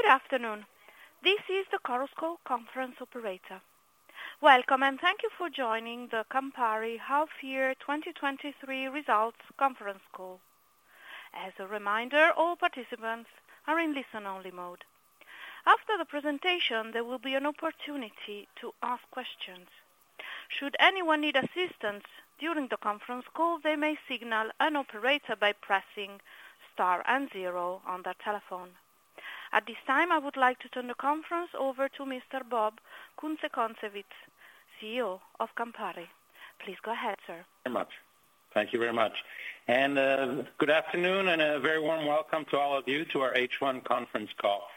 Good afternoon. This is the Chorus Call Conference Operator. Welcome. Thank you for joining the Campari Half Year 2023 Results Conference Call. As a reminder, all participants are in listen-only mode. After the presentation, there will be an opportunity to ask questions. Should anyone need assistance during the conference call, they may signal an operator by pressing star and zero on their telephone. At this time, I would like to turn the conference over to Mr. Bob Kunze-Concewitz, CEO of Campari. Please go ahead, sir. Very much. Thank you very much. Good afternoon and a very warm welcome to all of you to our H1 conference call.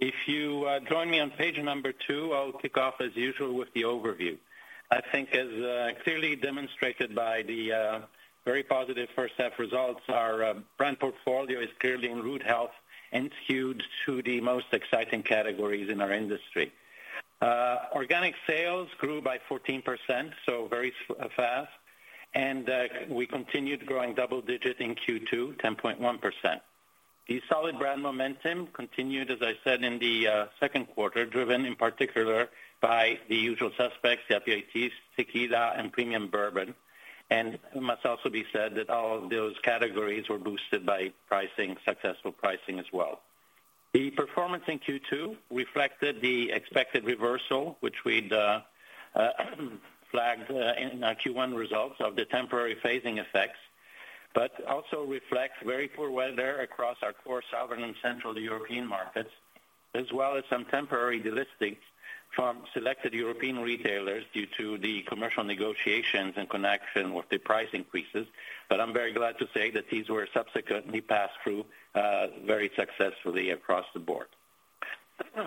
If you join me on page number two, I'll kick off as usual with the overview. I think, as clearly demonstrated by the very positive first half results, our brand portfolio is clearly in good health and skewed to the most exciting categories in our industry. Organic sales grew by 14%, so very fast, and we continued growing double digit in Q2, 10.1%. The solid brand momentum continued, as I said, in the second quarter, driven in particular by the usual suspects, the Aperitifs, Tequila, and Premium Bourbon. It must also be said that all of those categories were boosted by pricing, successful pricing as well. The performance in Q2 reflected the expected reversal, which we'd flagged in our Q1 results of the temporary phasing effects. Also reflects very poor weather across our core Southern and Central European markets, as well as some temporary delistings from selected European retailers due to the commercial negotiations in connection with the price increases. I'm very glad to say that these were subsequently passed through very successfully across the board.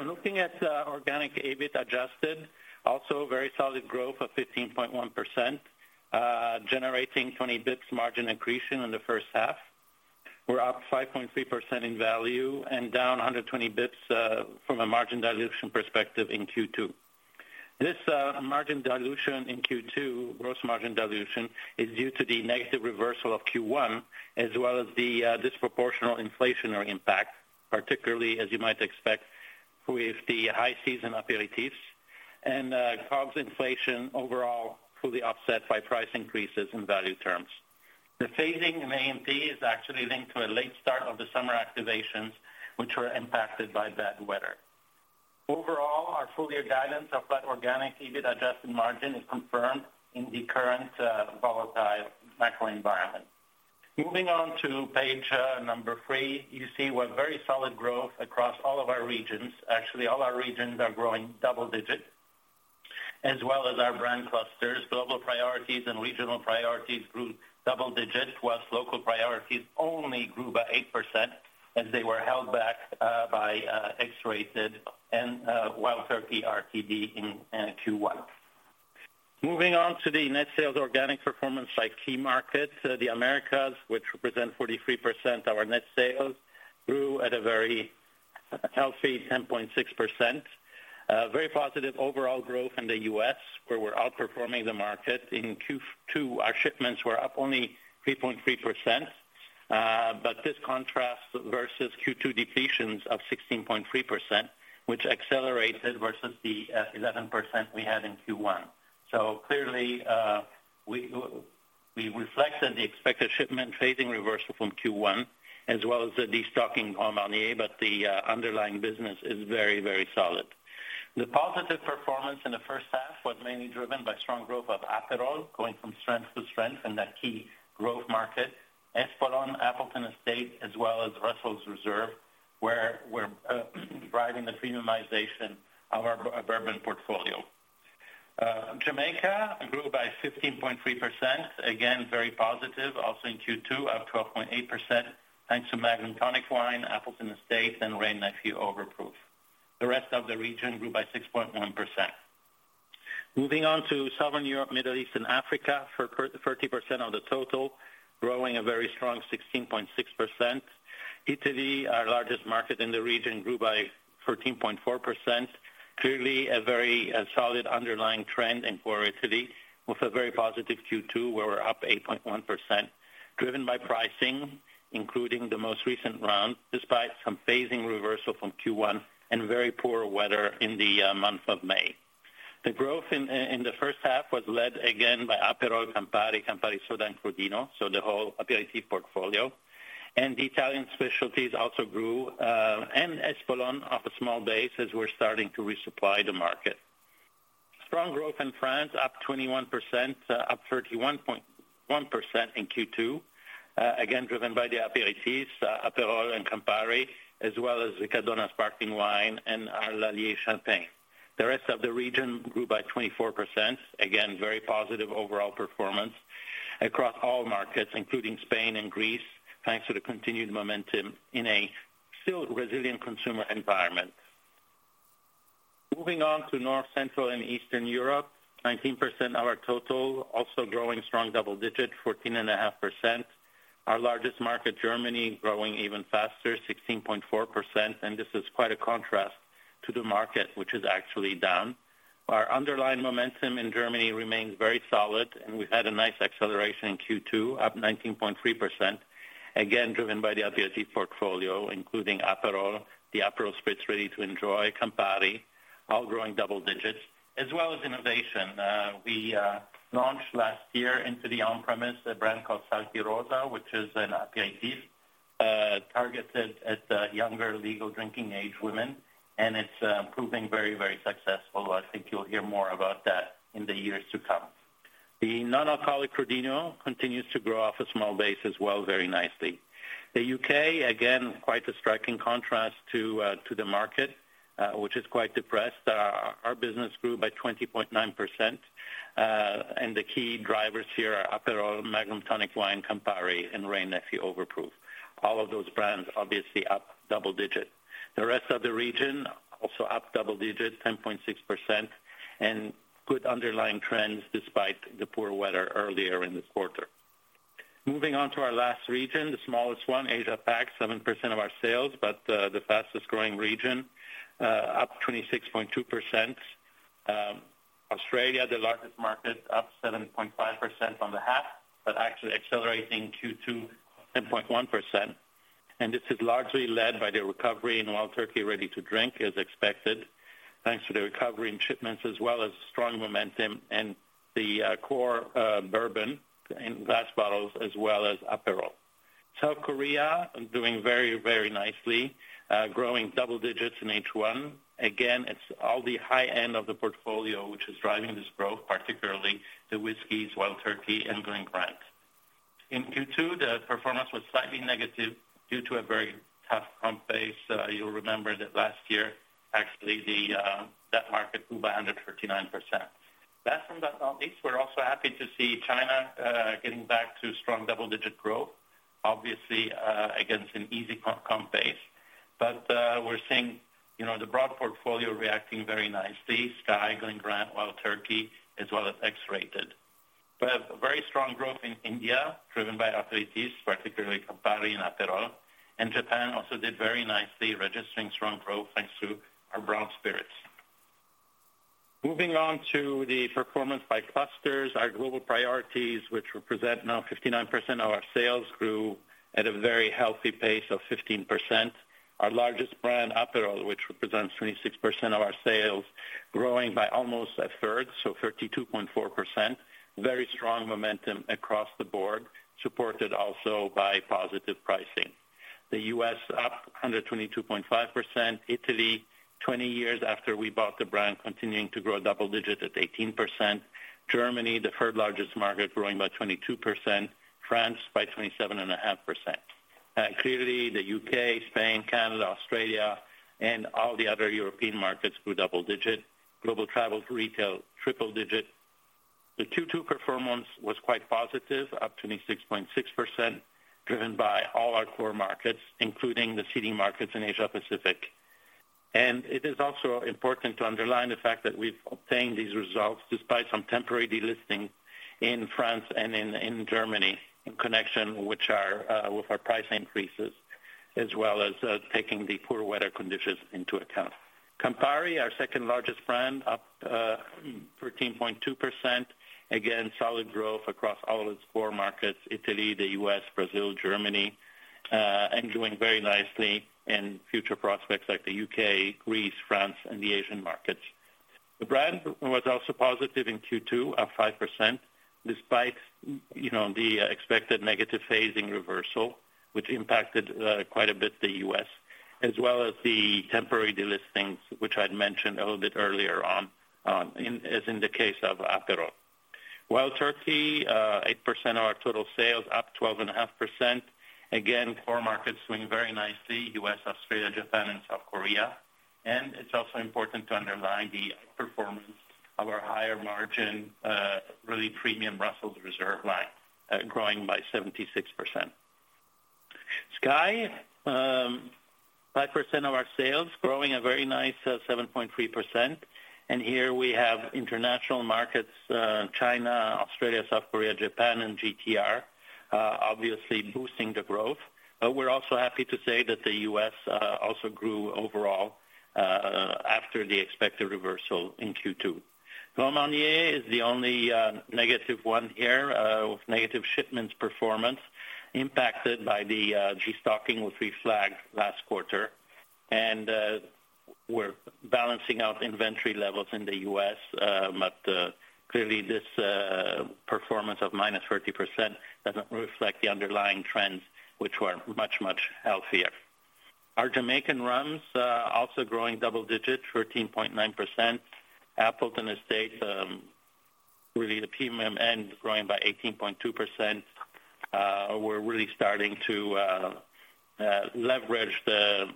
Looking at organic EBIT Adjusted, also very solid growth of 15.1%, generating 20 bps margin increase in the first half. We're up 5.3% in value and down 120 bps from a margin dilution perspective in Q2. This margin dilution in Q2, gross margin dilution, is due to the negative reversal of Q1, as well as the disproportional inflationary impact, particularly as you might expect with the high season aperitifs and COGS inflation overall, fully offset by price increases in value terms. The phasing in A&P is actually linked to a late start of the summer activations, which were impacted by bad weather. Overall, our full year guidance of flat organic EBIT adjusted margin is confirmed in the current volatile macro environment. Moving on to page three, you see we've very solid growth across all of our regions. Actually, all our regions are growing double digit, as well as our brand clusters. Global priorities and regional priorities grew double digit, whilst local priorities only grew by 8% as they were held back by X-Rated and Wild Turkey RTD in Q1. Moving on to the net sales organic performance by key markets, the Americas, which represent 43% of our net sales, grew at a very healthy 10.6%. Very positive overall growth in the US, where we're outperforming the market. In Q2, our shipments were up only 3.3%, but this contrasts versus Q2 depletions of 16.3%, which accelerated versus the 11% we had in Q1. Clearly, we reflected the expected shipment phasing reversal from Q1, as well as the destocking in Grand Marnier, but the underlying business is very, very solid. The positive performance in the first half was mainly driven by strong growth of Aperol, going from strength to strength in that key growth market. Espolòn, Appleton Estate, as well as Russell's Reserve, where we're driving the premiumization of our bourbon portfolio. Jamaica grew by 15.3%. Again, very positive, also in Q2, up 12.8%, thanks to Magnum Tonic Wine, Appleton Estate, and Wray & Nephew Overproof. The rest of the region grew by 6.1%. Moving on to Southern Europe, Middle East and Africa, for 30% of the total, growing a very strong 16.6%. Italy, our largest market in the region, grew by 13.4%. Clearly a very solid underlying trend in for Italy, with a very positive Q2, where we're up 8.1%, driven by pricing, including the most recent round, despite some phasing reversal from Q1 and very poor weather in the month of May. The growth in the first half was led again by Aperol, Campari Soda, and Crodino, so the whole aperitif portfolio. The Italian specialties also grew, and Espolòn, off a small base, as we're starting to resupply the market. Strong growth in France, up 21%, up 31.1% in Q2. Again, driven by the Aperitifs, Aperol and Campari, as well as the Riccadonna Sparkling Wine and our Champagne Lallier. The rest of the region grew by 24%. Very positive overall performance across all markets, including Spain and Greece, thanks to the continued momentum in a still resilient consumer environment. Moving on to North, Central, and Eastern Europe, 19% of our total, also growing strong double digit, 14.5%. Our largest market, Germany, growing even faster, 16.4%, this is quite a contrast to the market, which is actually down. Our underlying momentum in Germany remains very solid, We had a nice acceleration in Q2, up 19.3%. Driven by the Aperitif portfolio, including Aperol, the Aperol Spritz Ready to Enjoy, Campari, all growing double digits, as well as innovation. We launched last year into the on-premise, a brand called Sarti Rosa, which is an Aperitif, targeted at younger, legal drinking age women, and it's proving very, very successful. I think you'll hear more about that in the years to come. The non-alcoholic Crodino continues to grow off a small base as well, very nicely. The UK, again, quite a striking contrast to the market, which is quite depressed. Our business grew by 20.9%. The key drivers here are Aperol, Magnum Tonic Wine, Campari, and Wray & Nephew Overproof. All of those brands, obviously, up double digit. The rest of the region, also up double digit, 10.6%, and good underlying trends despite the poor weather earlier in this quarter. Moving on to our last region, the smallest one, APAC, 7% of our sales, but the fastest growing region, up 26.2%. Australia, the largest market, up 7.5% on the half, but actually accelerating Q2, 10.1%. This is largely led by the recovery in Wild Turkey Ready to Drink, as expected, thanks to the recovery in shipments, as well as strong momentum and the core bourbon in glass bottles, as well as Aperol. South Korea, doing very, very nicely, growing double digits in H1. Again, it's all the high end of the portfolio, which is driving this growth, particularly the Whiskeys, Wild Turkey, and Glen Grant. In Q2, the performance was slightly negative due to a very tough comp base. You'll remember that last year, actually, that market grew by 139%. Last but not least, we're also happy to see China getting back to strong double-digit growth, obviously, against an easy comp base. We're seeing, you know, the broad portfolio reacting very nicely, SKYY, Glen Grant, Wild Turkey, as well as X-Rated. We have very strong growth in India, driven by Aperitifs, particularly Campari and Aperol. Japan also did very nicely, registering strong growth thanks to our brown spirits. Moving on to the performance by clusters, our global priorities, which represent now 59% of our sales, grew at a very healthy pace of 15%. Our largest brand, Aperol, which represents 26% of our sales, growing by almost a third, so 32.4%. Very strong momentum across the board, supported also by positive pricing. The U.S., up 122.5%. Italy, 20 years after we bought the brand, continuing to grow double digit at 18%. Germany, the third largest market, growing by 22%, France by 27.5%. Clearly, the U.K., Spain, Canada, Australia, and all the other European markets grew double digit. Global travel retail, triple digit. The Q2 performance was quite positive, up 26.6%, driven by all our core markets, including the seeding markets in Asia Pacific. It is also important to underline the fact that we've obtained these results despite some temporary delisting in France and in Germany, in connection which are with our price increases, as well as taking the poor weather conditions into account. Campari, our second largest brand, up 13.2%. Again, solid growth across all its core markets, Italy, the U.S., Brazil, Germany, and doing very nicely in future prospects like the U.K., Greece, France, and the Asian markets. The brand was also positive in Q2, up 5%, despite, you know, the expected negative phasing reversal, which impacted quite a bit the U.S., as well as the temporary delistings, which I'd mentioned a little bit earlier on, in, as in the case of Aperol. Wild Turkey, 8% of our total sales, up 12.5%. Again, core markets doing very nicely, U.S., Australia, Japan, and South Korea. It's also important to underline the outperformance of our higher margin, really premium Russell's Reserve line, growing by 76%. SKYY, 5% of our sales, growing a very nice 7.3%. Here we have international markets, China, Australia, South Korea, Japan, and GTR, obviously boosting the growth. We're also happy to say that the U.S. also grew overall after the expected reversal in Q2. Courvoisier is the only negative one here with negative shipments performance, impacted by the destocking with we flagged last quarter. We're balancing out inventory levels in the U.S., but clearly this performance of -30% doesn't reflect the underlying trends, which were much, much healthier. Our Jamaican rums also growing double digits, 13.9%. Appleton Estate, really the premium end, growing by 18.2%. We're really starting to leverage the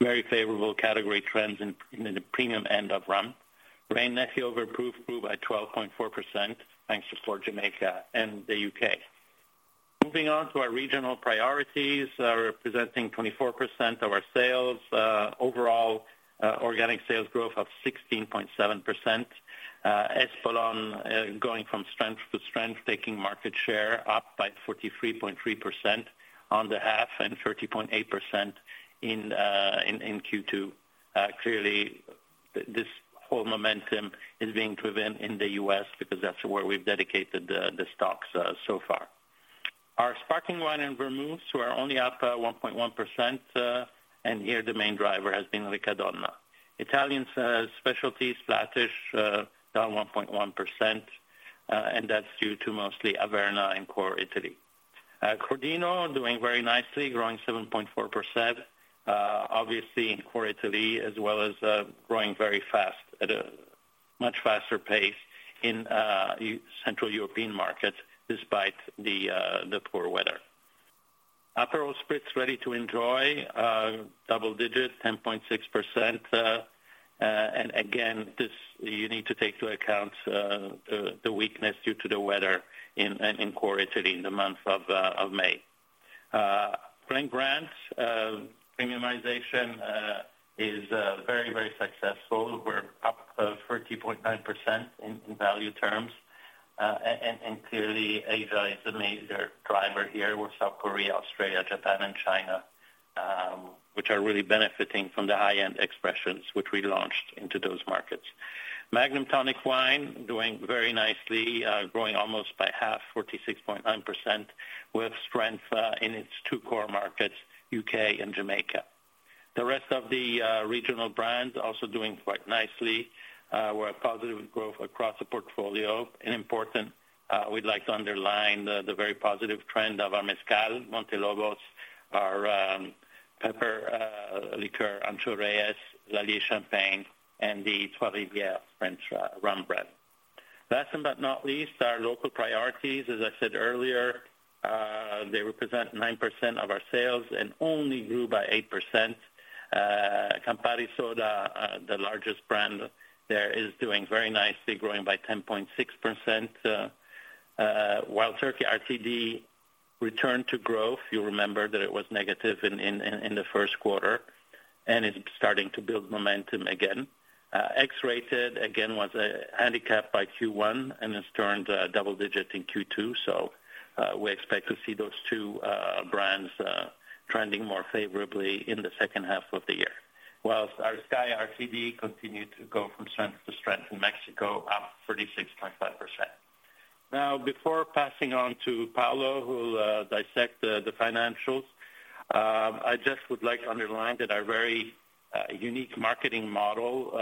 very favorable category trends in the premium end of rum. Wray & Nephew Overproof grew by 12.4%, thanks to Port Jamaica and the U.K. Moving on to our regional priorities, representing 24% of our sales, overall, organic sales growth of 16.7%. Espolòn going from strength to strength, taking market share up by 43.3% on the half and 30.8% in Q2. Clearly, this whole momentum is being driven in the U.S. because that's where we've dedicated the stocks so far. Our sparkling wine and vermouths were only up 1.1%, and here, the main driver has been Riccadonna. Italian specialties, Frangelico, down 1.1%, and that's due to mostly Averna and Core Italy. Crodino doing very nicely, growing 7.4%, obviously in Core Italy, as well as growing very fast, at a much faster pace in central European markets despite the poor weather. Aperol Spritz ready to enjoy double digit, 10.6%, and again, this you need to take to account the weakness due to the weather in Core Italy in the month of May. Glen Grant premiumization is very, very successful. We're up 30.9% in value terms, and clearly Asia is the major driver here, with South Korea, Australia, Japan, and China, which are really benefiting from the high-end expressions which we launched into those markets. Magnum Tonic Wine doing very nicely, growing almost by half, 46.9%, with strength in its two core markets, U.K. and Jamaica. The rest of the regional brands also doing quite nicely, we're a positive growth across the portfolio, important, we'd like to underline the very positive trend of our Mezcal, Montelobos, our pepper liqueur, Ancho Reyes, Lallier Champagne, and the Trois Rivières French rum brand. Last but not least, our local priorities, as I said earlier, they represent 9% of our sales and only grew by 8%. Campari Soda, the largest brand there, is doing very nicely, growing by 10.6%, while Turkey RTD returned to growth. You'll remember that it was negative in the first quarter, is starting to build momentum again. X-Rated, again, was handicapped by Q1 and has turned double digit in Q2, so we expect to see those two brands trending more favorably in the second half of the year. Whilst our SKYY RTD continued to go from strength to strength in Mexico, up 36.5%. Before passing on to Paolo, who'll dissect the financials, I just would like to underline that our very unique marketing model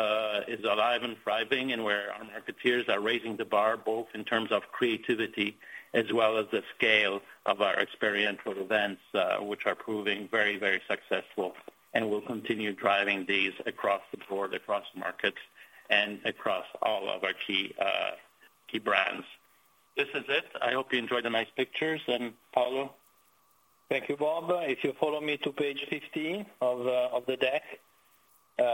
is alive and thriving, and where our marketeers are raising the bar, both in terms of creativity as well as the scale of our experiential events, which are proving very, very successful, and we'll continue driving these across the board, across markets, and across all of our key key brands. This is it. I hope you enjoyed the nice pictures, and Paolo? Thank you, Bob. If you follow me to page 15 of the deck.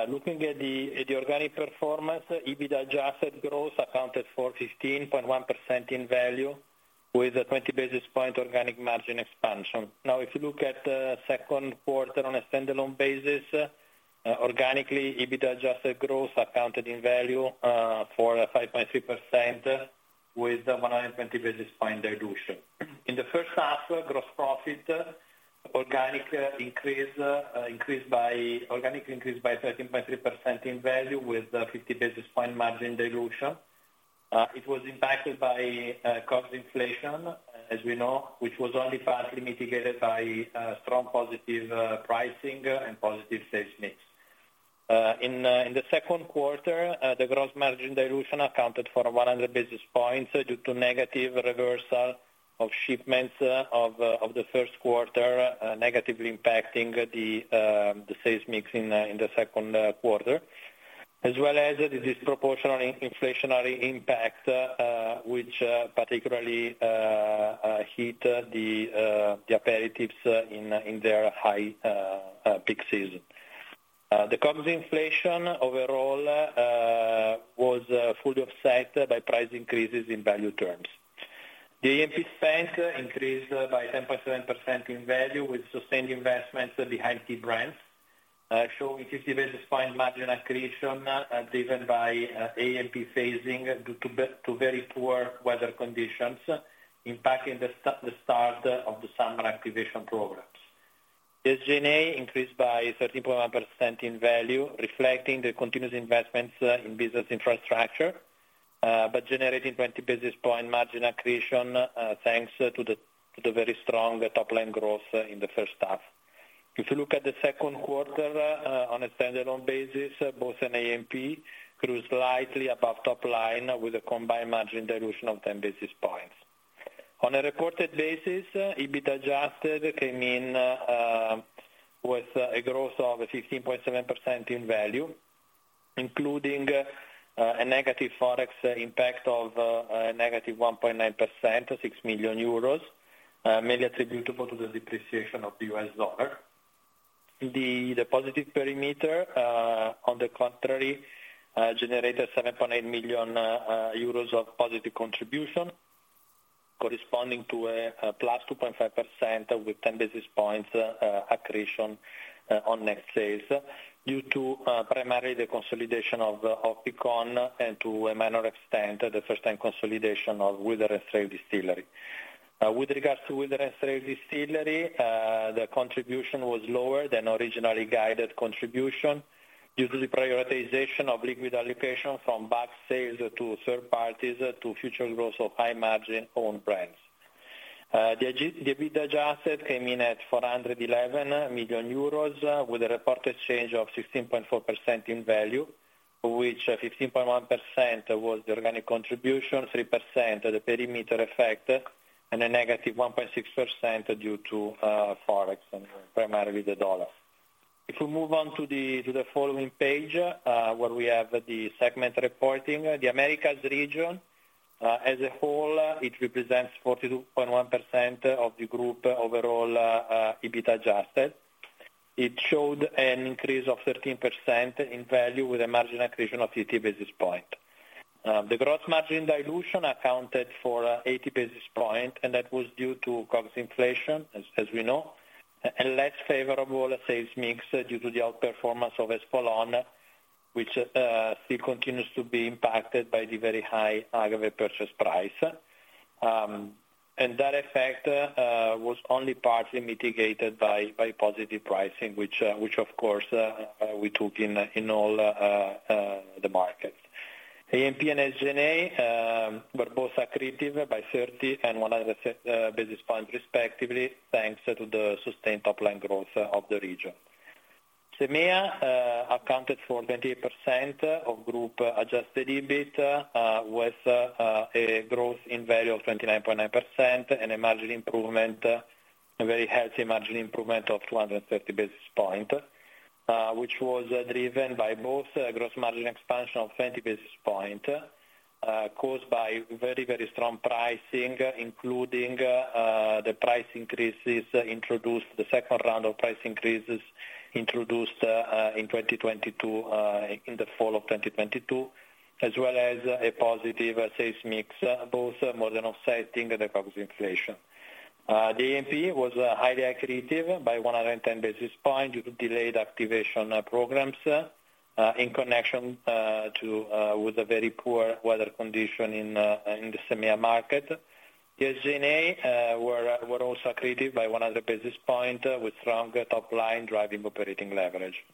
Looking at the organic performance, EBITDA Adjusted growth accounted for 15.1% in value, with a 20 basis point organic margin expansion. Now, if you look at second quarter on a standalone basis, organically, EBITDA Adjusted growth accounted in value for 5.3%, with a 120 basis point dilution. In the first half, gross profit organic increase increased by 13.3% in value, with 50 basis point margin dilution. It was impacted by cost inflation, as we know, which was only partly mitigated by strong positive pricing and positive sales mix. The second quarter, uh, the gross margin dilution accounted for 100 basis points due to negative reversal of shipments, uh, of, uh, of the first quarter, uh, negatively impacting the, um, the sales mix in, uh, in the second, uh, quarter, as well as the disproportional in- inflationary impact, uh, which, uh, particularly, uh, hit the, uh, the aperitifs in, uh, in their high, uh, peak season. The cost inflation overall, uh, was, uh, fully offset by price increases in value terms. The AMP spend increased by 10.7% in value, with sustained investments behind key brands, uh, showing 50 basis point margin accretion, uh, driven by, uh, AMP phasing due to b- to very poor weather conditions, impacting the st- the start of the summer activation programs. The SG&A increased by 13.1% in value, reflecting the continuous investments in business infrastructure, but generating 20 basis point margin accretion, thanks to the very strong top-line growth in the first half. If you look at the second quarter, on a standalone basis, both in AMP, grew slightly above top line, with a combined margin dilution of 10 basis points. On a reported basis, EBITDA Adjusted came in with a growth of 16.7% in value, including a negative Forex impact of a negative 1.9%, 6 million euros, mainly attributable to the depreciation of the US dollar. The positive perimeter, on the contrary, generated 7.8 million euros of positive contribution. Corresponding to a +2.5% with 10 basis points accretion on net sales, due to primarily the consolidation of Picon and to a minor extent, the first time consolidation of Wilderness Trail Distillery. With regards to Wilderness Trail Distillery, the contribution was lower than originally guided contribution, due to the prioritization of liquid allocation from bulk sales to third parties, to future growth of high margin own brands. The EBITDA Adjusted came in at 411 million euros, with a reported change of 16.4% in value, which 15.1% was the organic contribution, 3% the perimeter effect, and a negative 1.6% due to FX, and primarily the US dollar. We move on to the following page, where we have the segment reporting. The Americas region, as a whole, it represents 42.1% of the group overall EBITDA Adjusted. It showed an increase of 13% in value with a margin accretion of 80 basis points. The gross margin dilution accounted for 80 basis points, and that was due to COGS inflation, as we know, a less favorable sales mix due to the outperformance of Espolòn, which still continues to be impacted by the very high agave purchase price. And that effect was only partly mitigated by positive pricing, which of course, we took in all the markets. AMP and SG&A were both accretive by 30 and 100 basis points, respectively, thanks to the sustained top line growth of the region. SEMEA accounted for 28% of group Adjusted EBIT with a growth in value of 29.9% and a margin improvement, a very healthy margin improvement of 230 basis point. Which was driven by both gross margin expansion of 20 basis point caused by very, very strong pricing, including the price increases introduced, the second round of price increases introduced in 2022, in the fall of 2022, as well as a positive sales mix, both more than offsetting the COGS inflation. The AMP was highly accretive by 110 basis point due to delayed activation programs in connection to with the very poor weather condition in the SEMEA market. The SG&A were also accretive by 100 basis point, with strong top line driving operating leverage.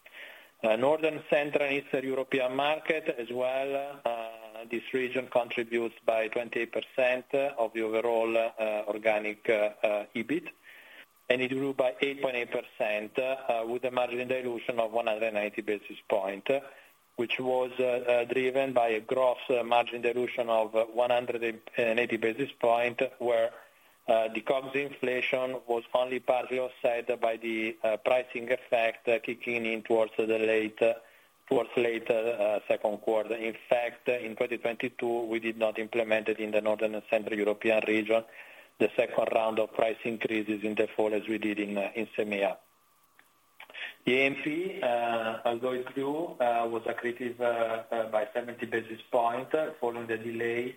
Northern, Central, Eastern European market as well, this region contributes by 28% of the overall organic EBIT. It grew by 8.8% with a margin dilution of 190 basis point, which was driven by a gross margin dilution of 180 basis point, where the COGS inflation was only partly offset by the pricing effect kicking in towards the late, towards late second quarter. In fact, in 2022, we did not implement it in the Northern and Central European Region, the second round of price increases in the fall, as we did in SEMEA. The AMP, although it grew, was accretive by 70 basis point, following the delay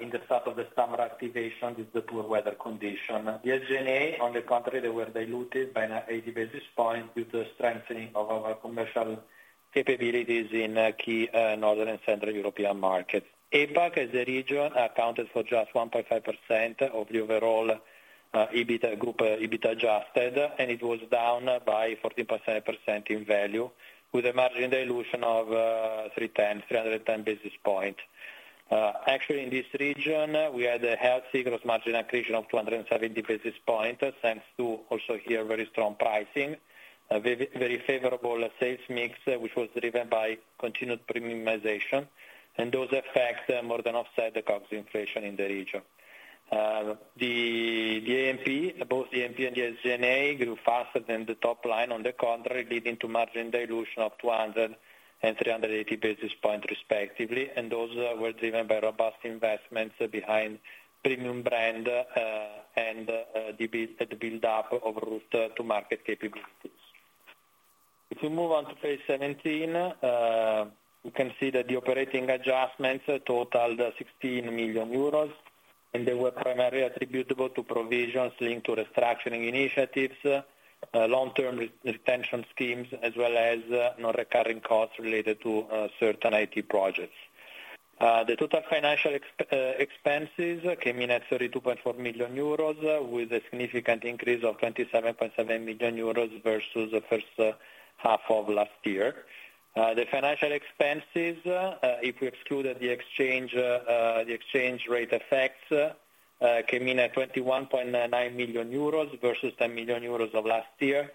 in the start of the summer activation with the poor weather condition. The SG&A, on the contrary, they were diluted by 80 basis point due to strengthening of our commercial capabilities in key Northern and Central European markets. APAC as a region, accounted for just 1.5% of the overall EBIT Group, EBIT Adjusted, and it was down by 14% in value, with a margin dilution of three times, 310 basis point. Actually, in this region, we had a healthy gross margin accretion of 270 basis points, thanks to also here, very strong pricing, a very favorable sales mix, which was driven by continued premiumization. Those effects more than offset the COGS inflation in the region. The AMP, both the AMP and the SG&A grew faster than the top line, on the contrary, leading to margin dilution of 200 and 380 basis points, respectively. Those were driven by robust investments behind premium brand and the buildup of route to market capabilities. We move on to page 17, we can see that the operating adjustments totaled 16 million euros, and they were primarily attributable to provisions linked to restructuring initiatives, long-term retention schemes, as well as non-recurring costs related to certain IT projects. The total financial expenses came in at 32.4 million euros, with a significant increase of 27.7 million euros versus the first half of last year. The financial expenses, if we excluded the exchange, the exchange rate effects, came in at 21.9 million euros versus 10 million euros of last year,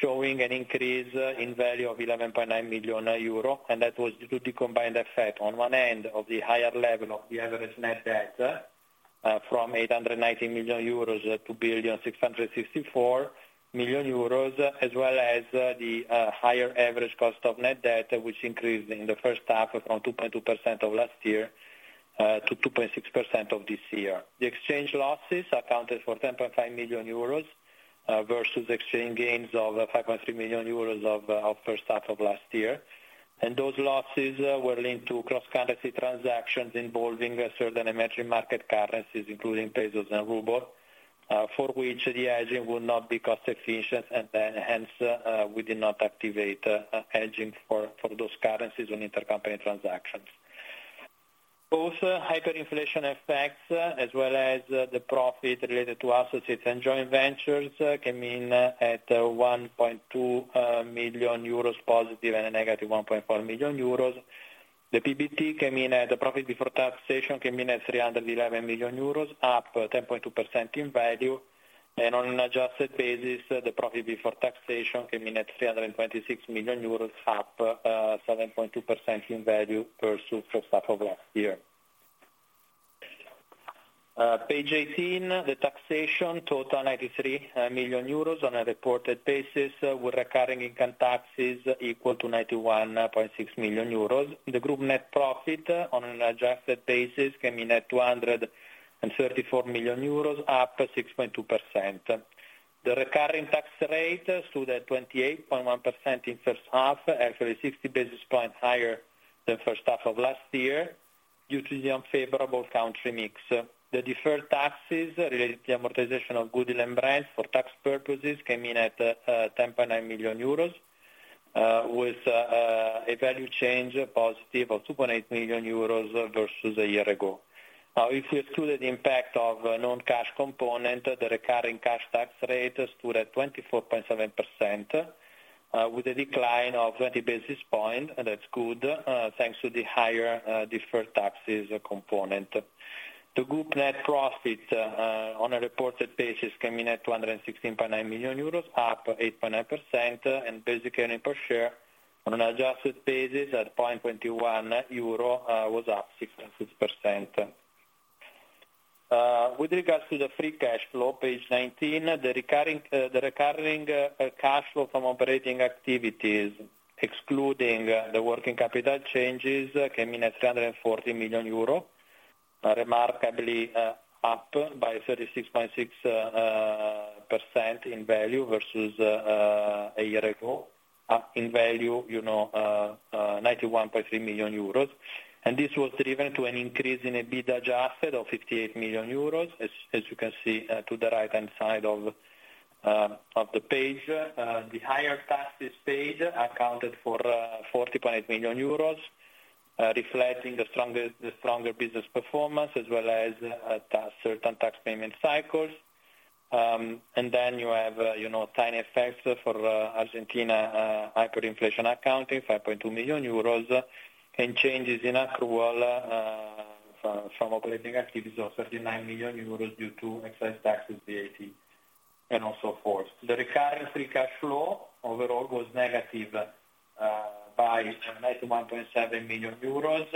showing an increase in value of 11.9 million euro. That was due to the combined effect, on one end of the higher level of the average net debt, from 890 million euros to 1,664 million euros, as well as, the higher average cost of net debt, which increased in the first half from 2.2% of last year, to 2.6% of this year. The exchange losses accounted for 10.5 million euros versus exchange gains of 5.3 million euros of our first half of last year. Those losses were linked to cross currency transactions involving a certain emerging market currencies, including Pesos and Ruble, for which the hedging would not be cost efficient, and then hence, we did not activate hedging for those currencies on intercompany transactions. Also, hyperinflation effects, as well as the profit related to associates and joint ventures, came in at 1.2 million euros positive and a -1.4 million euros. The profit before taxation came in at 311 million euros, up 10.2% in value, and on an adjusted basis, the profit before taxation came in at 326 million euros, up 7.2% in value versus first half of last year. Page 18, the taxation, total 93 million euros on a reported basis, with recurring income taxes equal to 91.6 million euros. The group net profit on an adjusted basis came in at 234 million euros, up by 6.2%. The recurring tax rate stood at 28.1% in first half, actually 60 basis points higher than first half of last year, due to the unfavorable country mix. The deferred taxes related to amortization of goodwill and brands for tax purposes came in at 10.9 million euros, with a value change positive of 2.8 million euros versus a year ago. If we include the impact of a non-cash component, the recurring cash tax rate stood at 24.7%, with a decline of 20 basis point, and that's good, thanks to the higher deferred taxes component. The group net profit, on a reported basis, came in at 216.9 million euros, up 8.9%, and basically, earning per share on an adjusted basis at 0.21 euro, was up 6.6%. With regards to the free cash flow, page 19, the recurring, the recurring cash flow from operating activities, excluding the working capital changes, came in at 340 million euro, remarkably, up by 36.6% in value versus a year ago, up in value, you know, 91.3 million euros. This was driven to an increase in EBITDA Adjusted of 58 million euros, as you can see, to the right-hand side of the page. The higher taxes paid accounted for 40.8 million euros, reflecting the stronger business performance, as well as tax, certain tax payment cycles. You have, you know, tiny effects for Argentina, hyperinflation accounting, 5.2 million euros, and changes in accrual from operating activities of 39 million euros due to excise taxes, VAT, and also forth. The recurring free cash flow overall was negative by 91.7 million euros,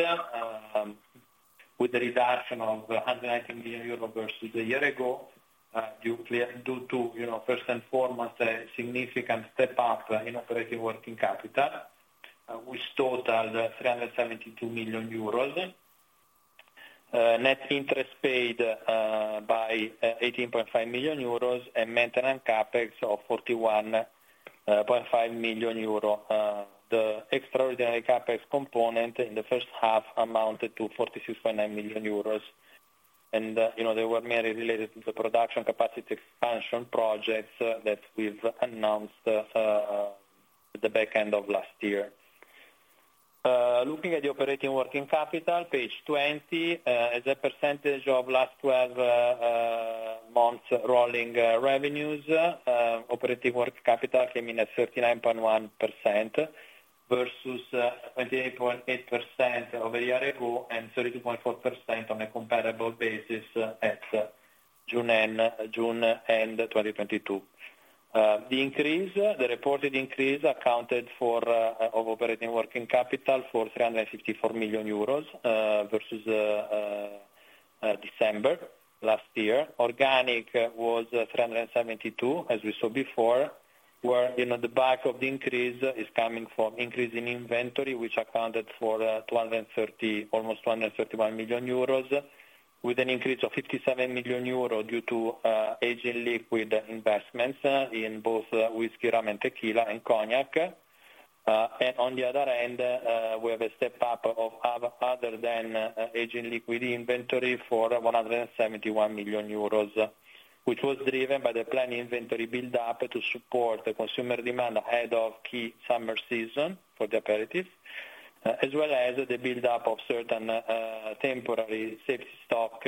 with the reduction of 190 million euros versus a year ago, due to, you know, first and foremost, a significant step up in operating working capital, which totaled 372 million euros. Net interest paid by 18.5 million euros, and maintenance CapEx of 41.5 million euros. The extraordinary CapEx component in the first half amounted to 46.9 million euros. You know, they were mainly related to the production capacity expansion projects that we've announced at the back end of last year. Looking at the operating working capital, page 20, as a percentage of last 12 months rolling revenues, operating working capital came in at 39.1%, versus 28.8% over a year ago, and 32.4% on a comparable basis at June end 2022. The increase, the reported increase accounted for of operating working capital for 354 million euros, versus December last year. Organic was 372, as we saw before, where, you know, the back of the increase is coming from increase in inventory, which accounted for 230, almost 231 million euros, with an increase of 57 million euros due to aging liquid investments in both whiskey, rum, tequila and cognac. On the other hand, we have a step up of other than aging liquid inventory for 171 million euros, which was driven by the planned inventory build-up to support the consumer demand ahead of key summer season for the operatives, as well as the build-up of certain temporary safety stock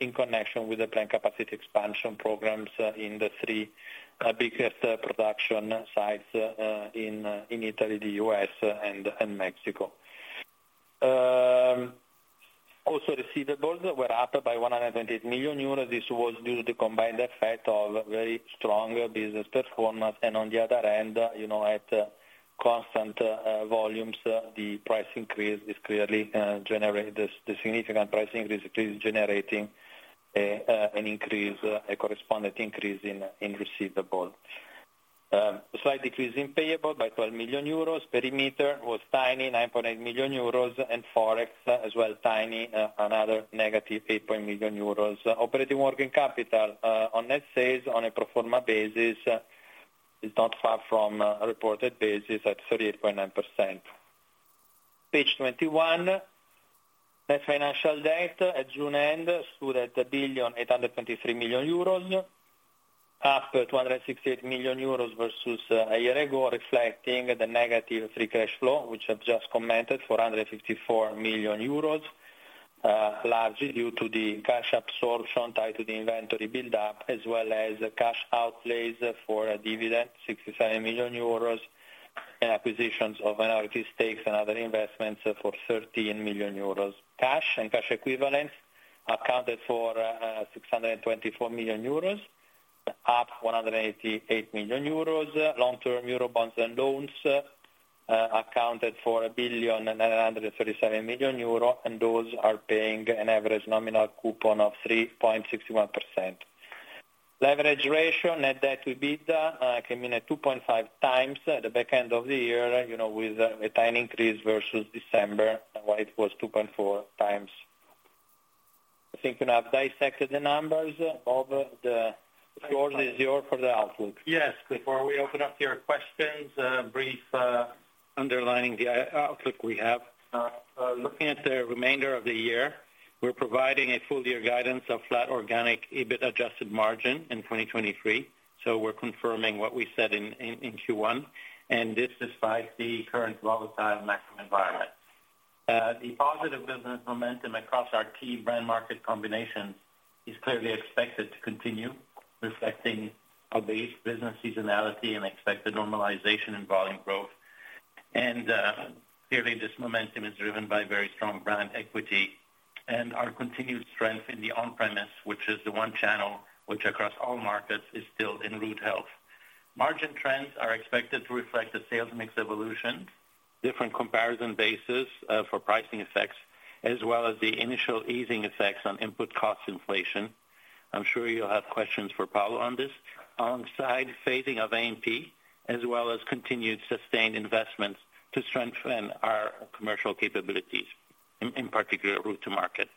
in connection with the planned capacity expansion programs in the three biggest production sites in Italy, the U.S., and Mexico. Also, receivables were up by 128 million euros. This was due to the combined effect of very strong business performance, and on the other hand, you know, at constant volumes, the price increase is clearly generating an increase, a correspondent increase in receivable. A slight decrease in payable by 12 million euros. Perimeter was tiny, 9.8 million euros, and Forex as well, tiny, another -8 million euros. Operating working capital on net sales on a pro forma basis is not far from reported basis at 38.9%. Page 21. Net financial debt at June end stood at 1,823 million euros, after 268 million euros versus a year ago, reflecting the negative free cash flow, which I've just commented, 454 million euros. Largely due to the cash absorption tied to the inventory build-up, as well as the cash outlays for a dividend, 67 million euros, and acquisitions of minority stakes and other investments for 13 million euros. Cash and cash equivalent accounted for 624 million euros, up 188 million euros. Long-term euro bonds and loans accounted for 1,137 million euros, and those are paying an average nominal coupon of 3.61%. Leverage ratio, net debt to EBITDA, came in at 2.5 times at the back end of the year, you know, with a tiny increase versus December, and Y was 2.4 times. I think I have dissected the numbers. Bob, the floor is yours for the outlook. Yes, before we open up to your questions, a brief underlining the outlook we have. Looking at the remainder of the year, we're providing a full year guidance of flat organic EBIT Adjusted margin in 2023. We're confirming what we said in Q1, and this despite the current volatile macro environment. The positive business momentum across our key brand market combinations is clearly expected to continue, reflecting a base business seasonality and expected normalization in volume growth. Clearly, this momentum is driven by very strong brand equity and our continued strength in the on-premise, which is the one channel which across all markets is still in good health. Margin trends are expected to reflect the sales mix evolution, different comparison basis for pricing effects, as well as the initial easing effects on input cost inflation. I'm sure you'll have questions for Paolo on this. Alongside phasing of AMP, as well as continued sustained investments to strengthen our commercial capabilities, in particular, route to market.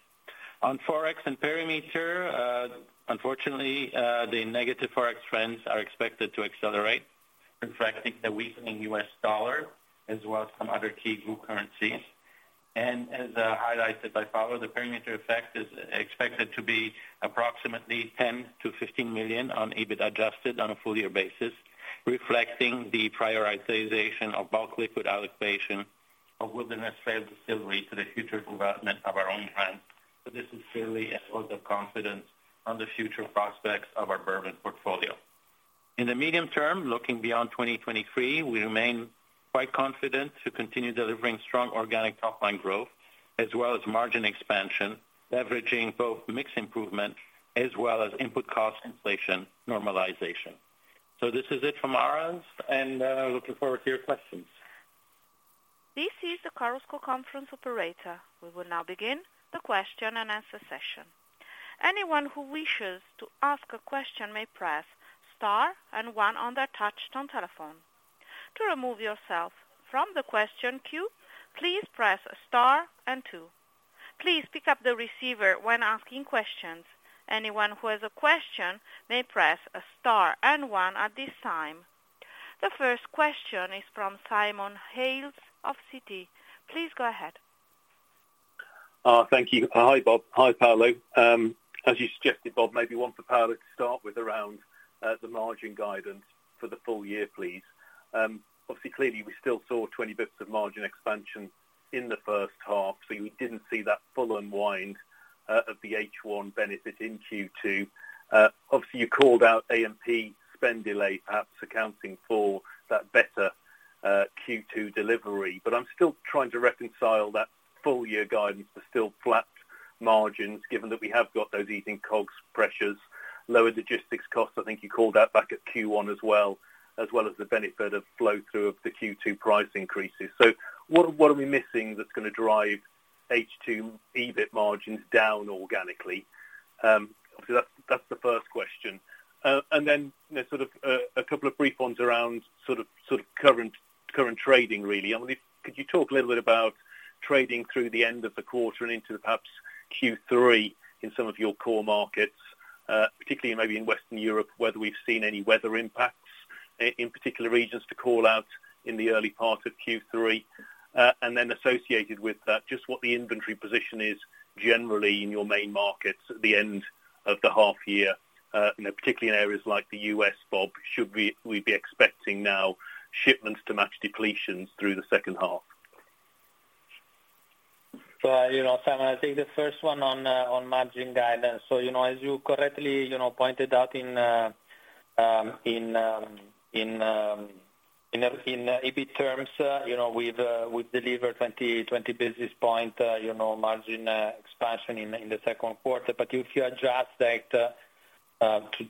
On FX and perimeter, unfortunately, the negative FX trends are expected to accelerate, reflecting the weakening US dollar, as well as some other key group currencies. As highlighted by Paolo, the perimeter effect is expected to be approximately 10 million-15 million on EBIT Adjusted on a full year basis, reflecting the prioritization of bulk liquid allocation of Wilderness Trail Distillery to the future development of our own brand. This is clearly a vote of confidence on the future prospects of our bourbon portfolio. In the medium term, looking beyond 2023, we remain quite confident to continue delivering strong organic top line growth, as well as margin expansion, leveraging both mix improvement as well as input cost inflation normalization. This is it from our end, and looking forward to your questions. This is the Chorus Call conference operator. We will now begin the question-and-answer session. Anyone who wishes to ask a question may press star and one on their touchtone telephone. To remove yourself from the question queue, please press star and two. Please pick up the receiver when asking questions. Anyone who has a question may press a star and one at this time. The first question is from Simon Hales of Citi. Please go ahead. Thank you. Hi, Bob. Hi, Paolo. As you suggested, Bob, maybe one for Paolo to start with around the margin guidance for the full year, please. Obviously, clearly, we still saw 20 bps of margin expansion in the first half, so you didn't see that full unwind of the H1 benefit in Q2. Obviously, you called out AMP spend delay, perhaps accounting for that better Q2 delivery. I'm still trying to reconcile that full year guidance to still flat margins, given that we have got those easing COGS pressures, lower logistics costs, I think you called out back at Q1 as well, as well as the benefit of flow-through of the Q2 price increases. What are we missing that's gonna drive H2 EBIT margins down organically? That's the first question. Then there's sort of a couple of brief ones around sort of current trading, really. I wonder if could you talk a little bit about trading through the end of the quarter and into perhaps Q3 in some of your core markets, particularly maybe in Western Europe, whether we've seen any weather impacts in particular regions to call out in the early part of Q3? Then associated with that, just what the inventory position is generally in your main markets at the end of the half year, you know, particularly in areas like the U.S., Bob, should we be expecting now shipments to match depletions through the second half? You know, Simon, I think the first one on margin guidance. You know, as you correctly, you know, pointed out in EBIT terms, you know, we've delivered 20 basis point, you know, margin expansion in the second quarter. If you adjust that to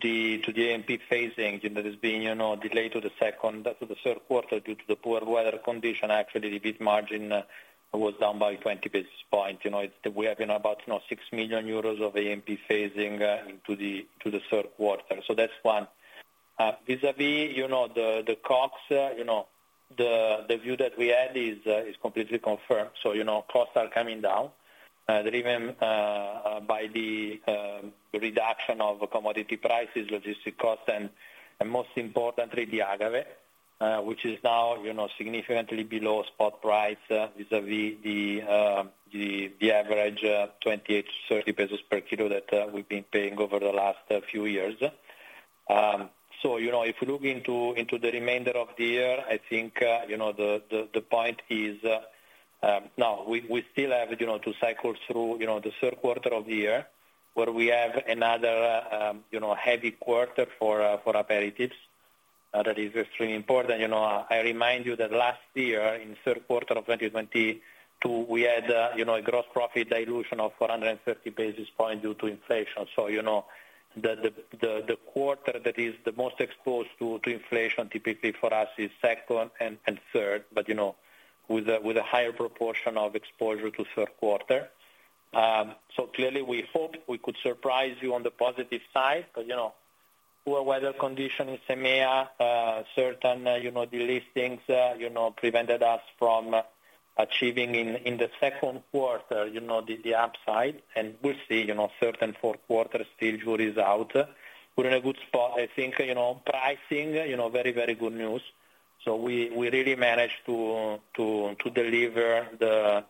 the AMP phasing, you know, that's been, you know, delayed to the second, third quarter due to the poor weather condition, actually the EBIT margin was down by 20 basis point. You know, it's, we have been about, you know, 6 million euros of AMP phasing into the third quarter. That's one. Vis-a-vis, you know, the COGS, you know, the view that we had is completely confirmed. You know, costs are coming down, driven by the reduction of commodity prices, logistic costs, and most importantly, the agave, which is now, you know, significantly below spot price, vis-a-vis the average 28-30 pesos per kilo that we've been paying over the last few years. You know, if you look into the remainder of the year, I think, you know, the point is, now we still have, you know, to cycle through, you know, the third quarter of the year, where we have another, you know, heavy quarter for Aperitifs. That is extremely important. You know, I remind you that last year, in third quarter of 2022, we had, you know, a gross profit dilution of 450 basis points due to inflation. You know, the quarter that is the most exposed to inflation typically for us is second and third, but, you know, with a higher proportion of exposure to third quarter. Clearly we hope we could surprise you on the positive side, 'cause, you know, poor weather conditions in EMEA, certain, you know, delistings, you know, prevented us from achieving in the second quarter, you know, the upside. We'll see, you know, certain fourth quarter still jury's out. We're in a good spot. I think, you know, pricing, you know, very good news. We really managed to deliver the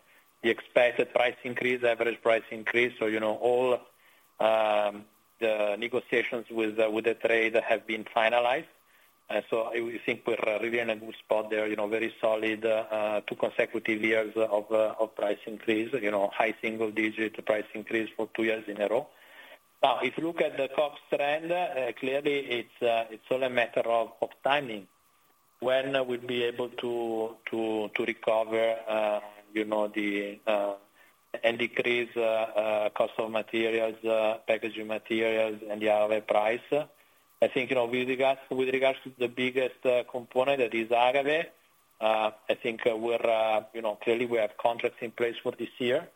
expected price increase, average price increase. You know, all the negotiations with the trade have been finalized. We think we're really in a good spot there, you know, very solid, two consecutive years of price increase, you know, high single-digit price increase for two years in a row. Now, if you look at the COGS trend, clearly it's only a matter of timing. When we'll be able to recover, you know, the and decrease cost of materials, packaging materials and the other price. I think, you know, with regards to the biggest component, that is agave, I think we're, you know, clearly we have contracts in place for this year,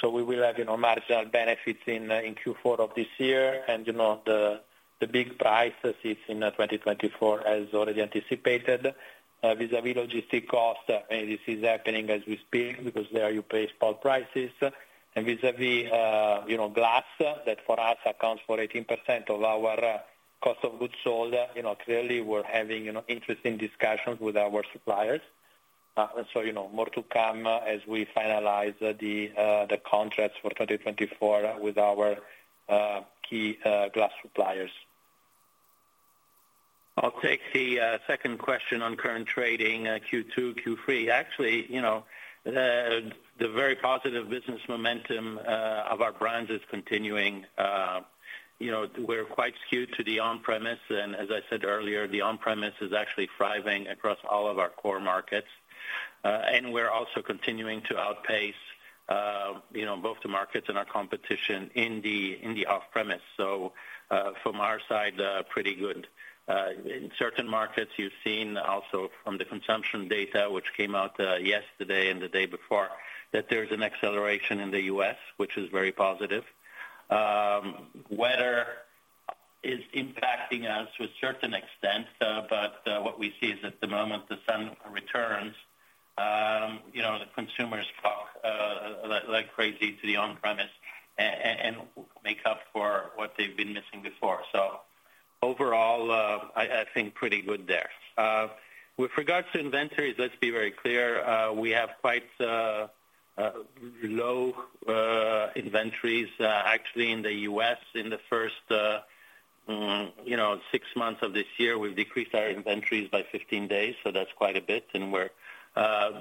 so we will have, you know, marginal benefits in Q4 of this year. You know, the big price sits in 2024, as already anticipated. Vis-a-vis logistic costs, and this is happening as we speak, because there you pay spot prices. Vis-a-vis, you know, glass, that for us accounts for 18% of our cost of goods sold. You know, clearly we're having, you know, interesting discussions with our suppliers. You know, more to come as we finalize the contracts for 2024 with our key glass suppliers. I'll take the second question on current trading, Q2, Q3. Actually, you know, the very positive business momentum of our brands is continuing. You know, we're quite skewed to the on-premise, and as I said earlier, the on-premise is actually thriving across all of our core markets. And we're also continuing to outpace, you know, both the markets and our competition in the off-premise. From our side, pretty good. In certain markets, you've seen also from the consumption data, which came out yesterday and the day before, that there's an acceleration in the U.S., which is very positive. Weather is impacting us to a certain extent, but what we see is at the moment, the sun returns, you know, the consumers flock like crazy to the on-premise and make up for what they've been missing before. Overall, I think pretty good there. With regards to inventories, let's be very clear, we have quite low inventories, actually, in the U.S. in the first, you know, six months of this year, we've decreased our inventories by 15 days, so that's quite a bit, and we're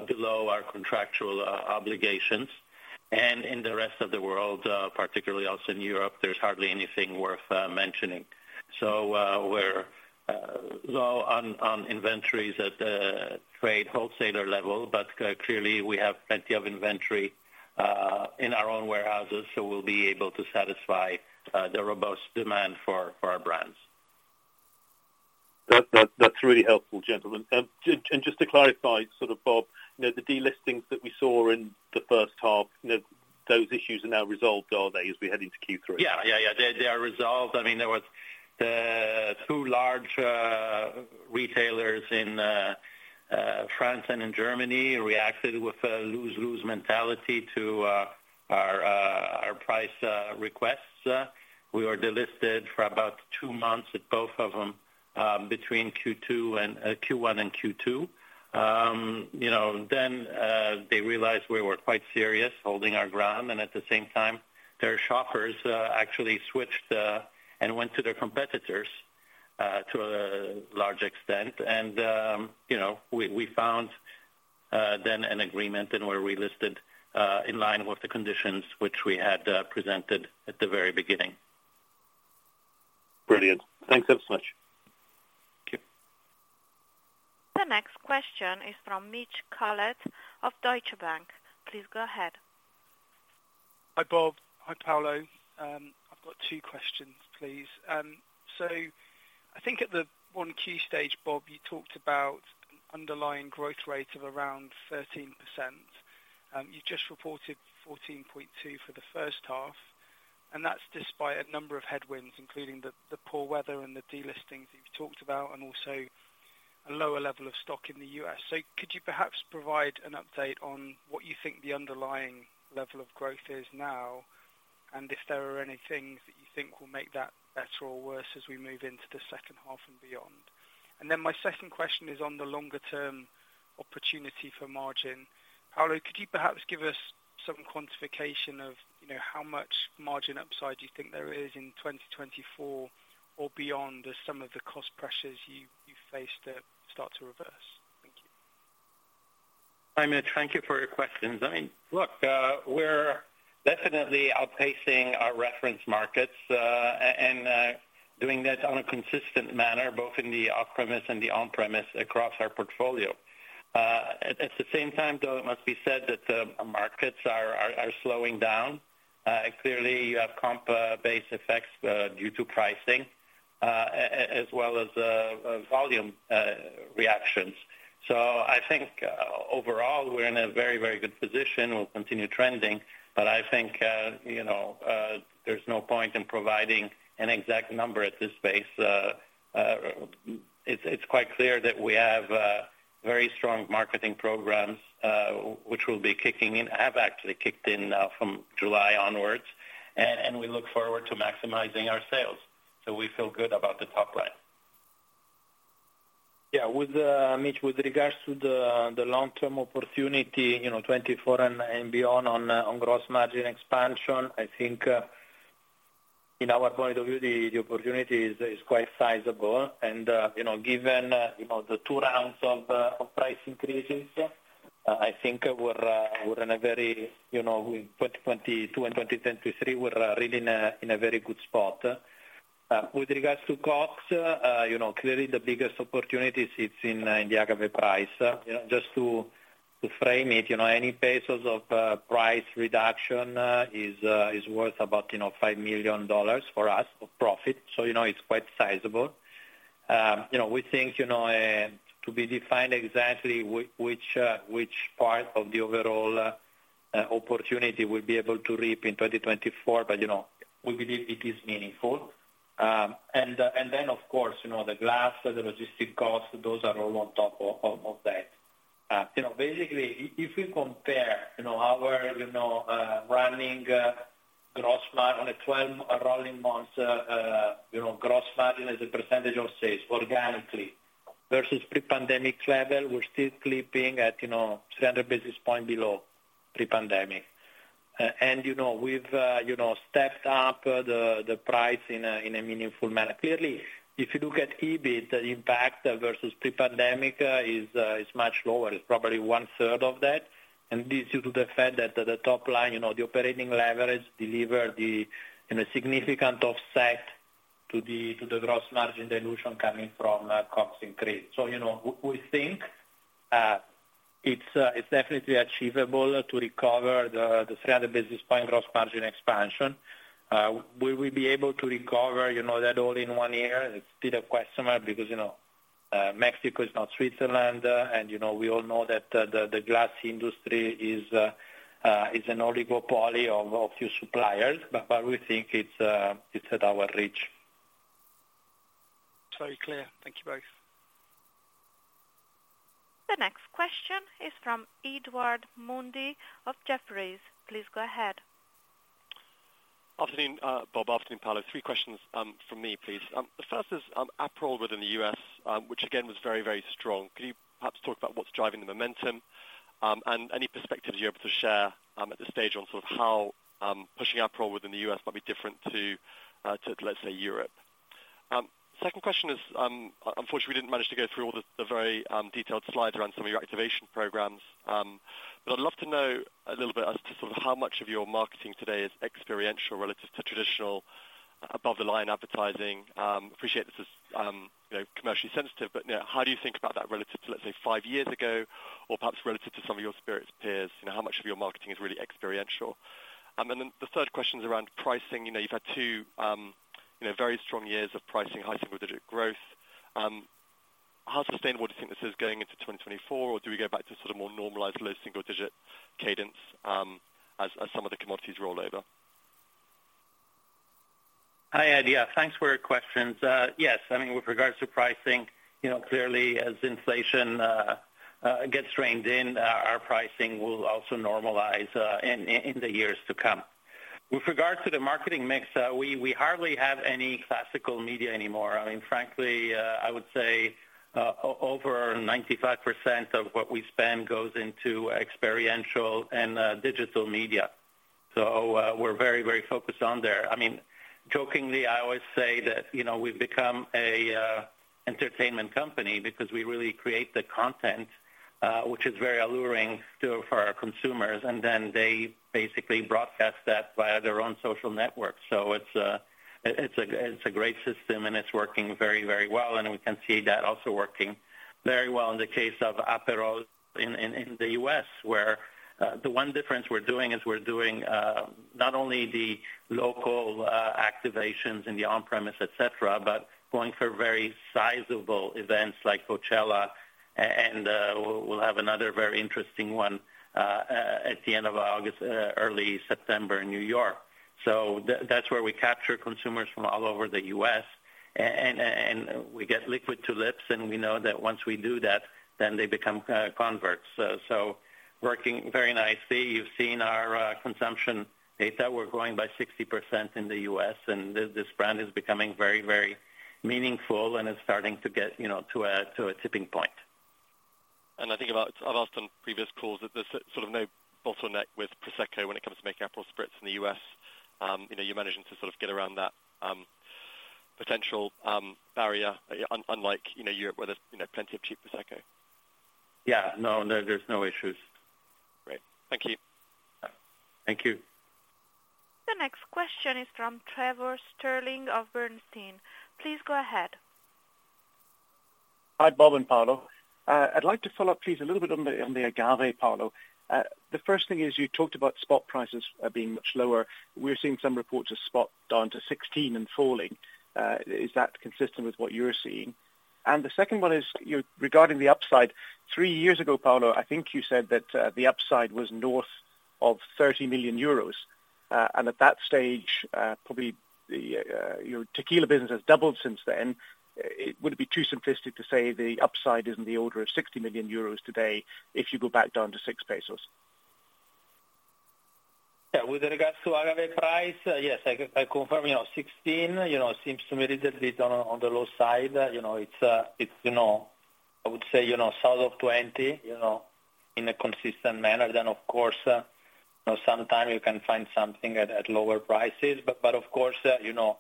below our contractual obligations. In the rest of the world, particularly also in Europe, there's hardly anything worth mentioning. We're low on inventories at the trade wholesaler level, but clearly, we have plenty of inventory in our own warehouses, so we'll be able to satisfy the robust demand for our brands. That's really helpful, gentlemen. Just to clarify, sort of, Bob, you know, the delistings that we saw in the first half, you know, those issues are now resolved, are they, as we head into Q3? Yeah. Yeah, yeah, they are resolved. I mean, there was two large retailers in France and in Germany reacted with a lose-lose mentality to our price requests. We were delisted for about two months at both of them between Q2 and Q1 and Q2. You know, then they realized we were quite serious holding our ground, and at the same time, their shoppers actually switched and went to their competitors to a large extent. You know, we found then an agreement and were relisted in line with the conditions which we had presented at the very beginning. Brilliant. Thanks ever so much. Thank you. The next question is from Mitch Collett of Deutsche Bank. Please go ahead. Hi, Bob. Hi, Paolo. I've got two questions, please. I think at the one key stage, Bob, you talked about underlying growth rate of around 13%. You just reported 14.2% for the first half. That's despite a number of headwinds, including the poor weather and the delistings that you've talked about, and also a lower level of stock in the U.S. Could you perhaps provide an update on what you think the underlying level of growth is now, and if there are any things that you think will make that better or worse as we move into the second half and beyond? Then my second question is on the longer term opportunity for margin. Paolo, could you perhaps give us some quantification of, you know, how much margin upside you think there is in 2024 or beyond, as some of the cost pressures you face start to reverse? Thank you. Hi, Mitch. Thank you for your questions. I mean, look, we're definitely outpacing our reference markets and doing that on a consistent manner, both in the off-premise and the on-premise across our portfolio. At the same time, though, it must be said that the markets are slowing down. Clearly, you have comp base effects due to pricing as well as volume reactions. I think, overall, we're in a very, very good position. We'll continue trending, but I think, you know, there's no point in providing an exact number at this space. It's quite clear that we have very strong marketing programs, which will be kicking in, have actually kicked in from July onwards, and we look forward to maximizing our sales. We feel good about the top line. Yeah, with Mitch Collett, with regards to the long-term opportunity, you know, 2024 and beyond on gross margin expansion, I think, in our point of view, the opportunity is quite sizable. Given, you know, the two rounds of price increases, I think we're in a very, you know, in 2022 and 2023, we're really in a very good spot. With regards to costs, you know, clearly the biggest opportunity sits in the agave price. You know, just to frame it, you know, any Pesos of price reduction, is worth about, you know, $5 million for us of profit. You know, it's quite sizable. You know, we think, you know, to be defined exactly which part of the overall opportunity we'll be able to reap in 2024, but, you know, we believe it is meaningful. Of course, you know, the glass, the logistic costs, those are all on top of that. You know, basically, if you compare, you know, our, you know, running gross margin on a 12 rolling months, you know, gross margin as a percentage of sales organically versus pre-pandemic level, we're still clipping at, you know, standard basis points below pre-pandemic. You know, we've, you know, stepped up the price in a meaningful manner. Clearly, if you look at EBIT, the impact versus pre-pandemic, is much lower. It's probably one third of that, and this due to the fact that the top line, you know, the operating leverage delivered a significant offset to the gross margin dilution coming from cost increase. You know, we think it's definitely achievable to recover the standard basis point gross margin expansion. Will we be able to recover, you know, that all in one year? It's still a question mark because, you know, Mexico is not Switzerland, and, you know, we all know that the glass industry is an oligopoly of a few suppliers, but we think it's at our reach. Very clear. Thank you, both. The next question is from Edward Mundy of Jefferies. Please go ahead. Afternoon, Bob. Afternoon, Paolo. Three questions from me, please. The first is Aperol within the U.S., which again, was very, very strong. Could you perhaps talk about what's driving the momentum and any perspectives you're able to share at this stage on sort of how pushing Aperol within the U.S. might be different to, let's say, Europe? Second question is, unfortunately, we didn't manage to go through all the very detailed slides around some of your activation programs. I'd love to know a little bit as to sort of how much of your marketing today is experiential relative to traditional above the line advertising. Appreciate this is, you know, commercially sensitive, you know, how do you think about that relative to, let's say, five years ago, or perhaps relative to some of your spirits peers? You know, how much of your marketing is really experiential? Then the third question is around pricing. You know, you've had two, you know, very strong years of pricing, high single-digit growth. How sustainable do you think this is going into 2024, or do we go back to sort of more normalized low single-digit cadence, as some of the commodities roll over? Hi, Edward. Yeah, thanks for your questions. Yes, I mean, with regards to pricing, you know, clearly as inflation gets reined in, our pricing will also normalize in the years to come. With regards to the marketing mix, we hardly have any classical media anymore. I mean, frankly, I would say over 95% of what we spend goes into experiential and digital media. We're very, very focused on there. I mean, jokingly, I always say that, you know, we've become an entertainment company because we really create the content, which is very alluring for our consumers, and then they basically broadcast that via their own social network. It's a great system, and it's working very, very well, and we can see that also working very well in the case of Aperol in the U.S. where the one difference we're doing is we're doing not only the local activations in the on-premise, et cetera, but going for very sizable events like Coachella, and we'll have another very interesting one at the end of August, early September in New York. That's where we capture consumers from all over the U.S. We get liquid to lips, and we know that once we do that, then they become converts. Working very nicely. You've seen our consumption data. We're growing by 60% in the U.S., and this brand is becoming very, very meaningful, and it's starting to get, you know, to a tipping point. I think about, I've asked on previous calls that there's sort of no bottleneck with Prosecco when it comes to making Aperol Spritz in the U.S. you know, you're managing to sort of get around that, potential, barrier, unlike, you know, Europe, where there's, you know, plenty of cheap Prosecco. Yeah, no, there's no issues. Great. Thank you. Thank you. The next question is from Trevor Stirling of Bernstein. Please go ahead. Hi, Bob and Paolo. I'd like to follow up, please, a little bit on the agave, Paolo. The first thing is you talked about spot prices being much lower. We're seeing some reports of spot down to 16 and falling. Is that consistent with what you're seeing? The second one is, regarding the upside, three years ago, Paolo, I think you said that the upside was north of 30 million euros, and at that stage, probably your tequila business has doubled since then. Would it be too simplistic to say the upside is in the order of 60 million euros today if you go back down to 6 pesos? Yeah, with regards to agave price, yes, I confirm, you know, 16, you know, seems to be a little bit on the low side. You know, it's, you know, I would say, you know, south of 20, you know, in a consistent manner. Of course, you know, sometime you can find something at lower prices. Of course, you know,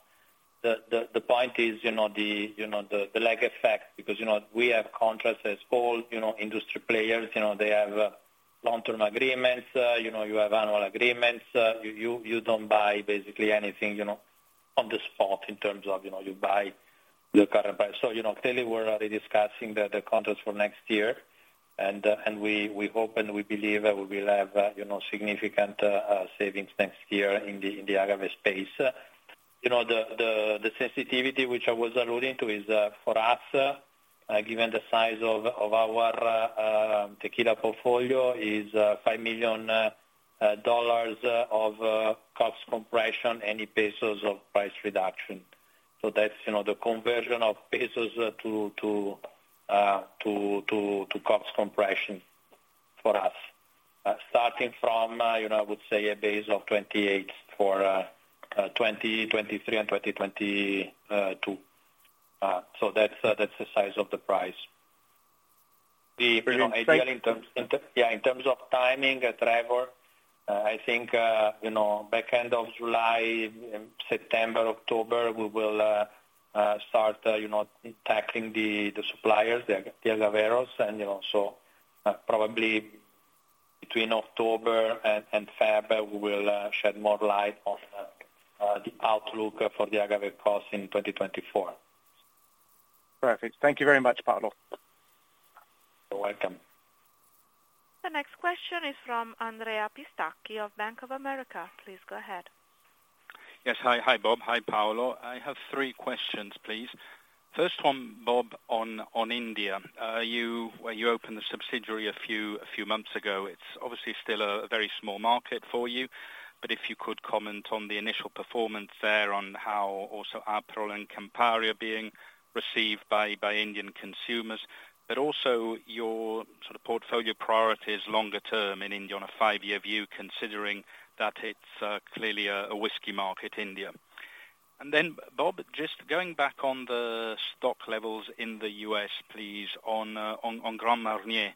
the point is, you know, the, you know, the lag effect, because, you know, we have contracts as all, you know, industry players. You know, they have, long-term agreements, you know, you have annual agreements. You don't buy basically anything, you know, on the spot in terms of, you know, you buy your current price. You know, clearly, we're already discussing the contracts for next year, and we hope and we believe that we will have, you know, significant savings next year in the agave space. You know, the sensitivity which I was alluding to is for us, given the size of our tequila portfolio, is $5 million of cost compression, any pesos of price reduction. That's, you know, the conversion of pesos to cost compression for us. Starting from, you know, I would say a base of 28 for 2023 and 2022. That's the size of the price. The, you know, ideally. Thank you. In terms of timing, Trevor, I think, you know, back end of July, September, October, we will start, you know, tackling the suppliers, the agaveros, and, you know, so, probably between October and February, we will shed more light on the outlook for the agave cost in 2024. Perfect. Thank you very much, Paolo. You're welcome. The next question is from Andrea Pistacchi of Bank of America. Please go ahead. Yes. Hi, Bob. Hi, Paolo. I have three questions, please. First one, Bob, on India, where you opened the subsidiary a few months ago, it's obviously still a very small market for you, but if you could comment on the initial performance there, on how also Aperol and Campari are being received by Indian consumers, but also your sort of portfolio priorities longer term in India on a five-year view, considering that it's clearly a whiskey market, India. Bob, just going back on the stock levels in the U.S., please, on Grand Marnier.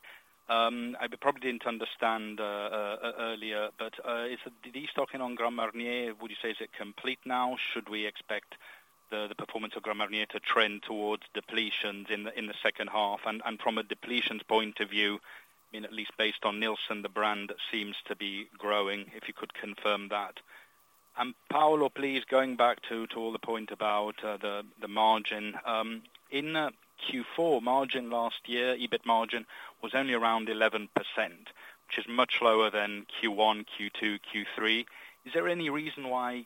I probably didn't understand earlier, but did these talking on Grand Marnier, would you say is it complete now? Should we expect the performance of Grand Marnier to trend towards depletions in the second half? From a depletions point of view, I mean, at least based on Nielsen, the brand seems to be growing, if you could confirm that. Paolo, please, going back to all the point about the margin. In Q4, margin last year, EBIT margin, was only around 11%, which is much lower than Q1, Q2, Q3. Is there any reason why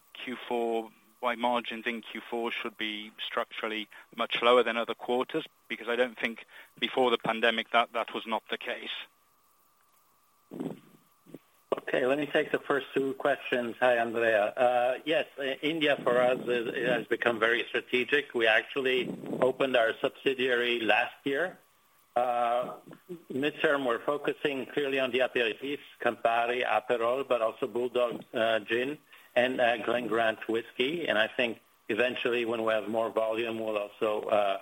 margins in Q4 should be structurally much lower than other quarters? Because I don't think before the pandemic, that was not the case. Okay, let me take the first two questions. Hi, Andrea. Yes, India for us is, it has become very strategic. We actually opened our subsidiary last year. Mid-term, we're focusing clearly on the Aperitifs, Campari, Aperol, but also Bulldog Gin, and Glen Grant whiskey. I think eventually, when we have more volume, we'll also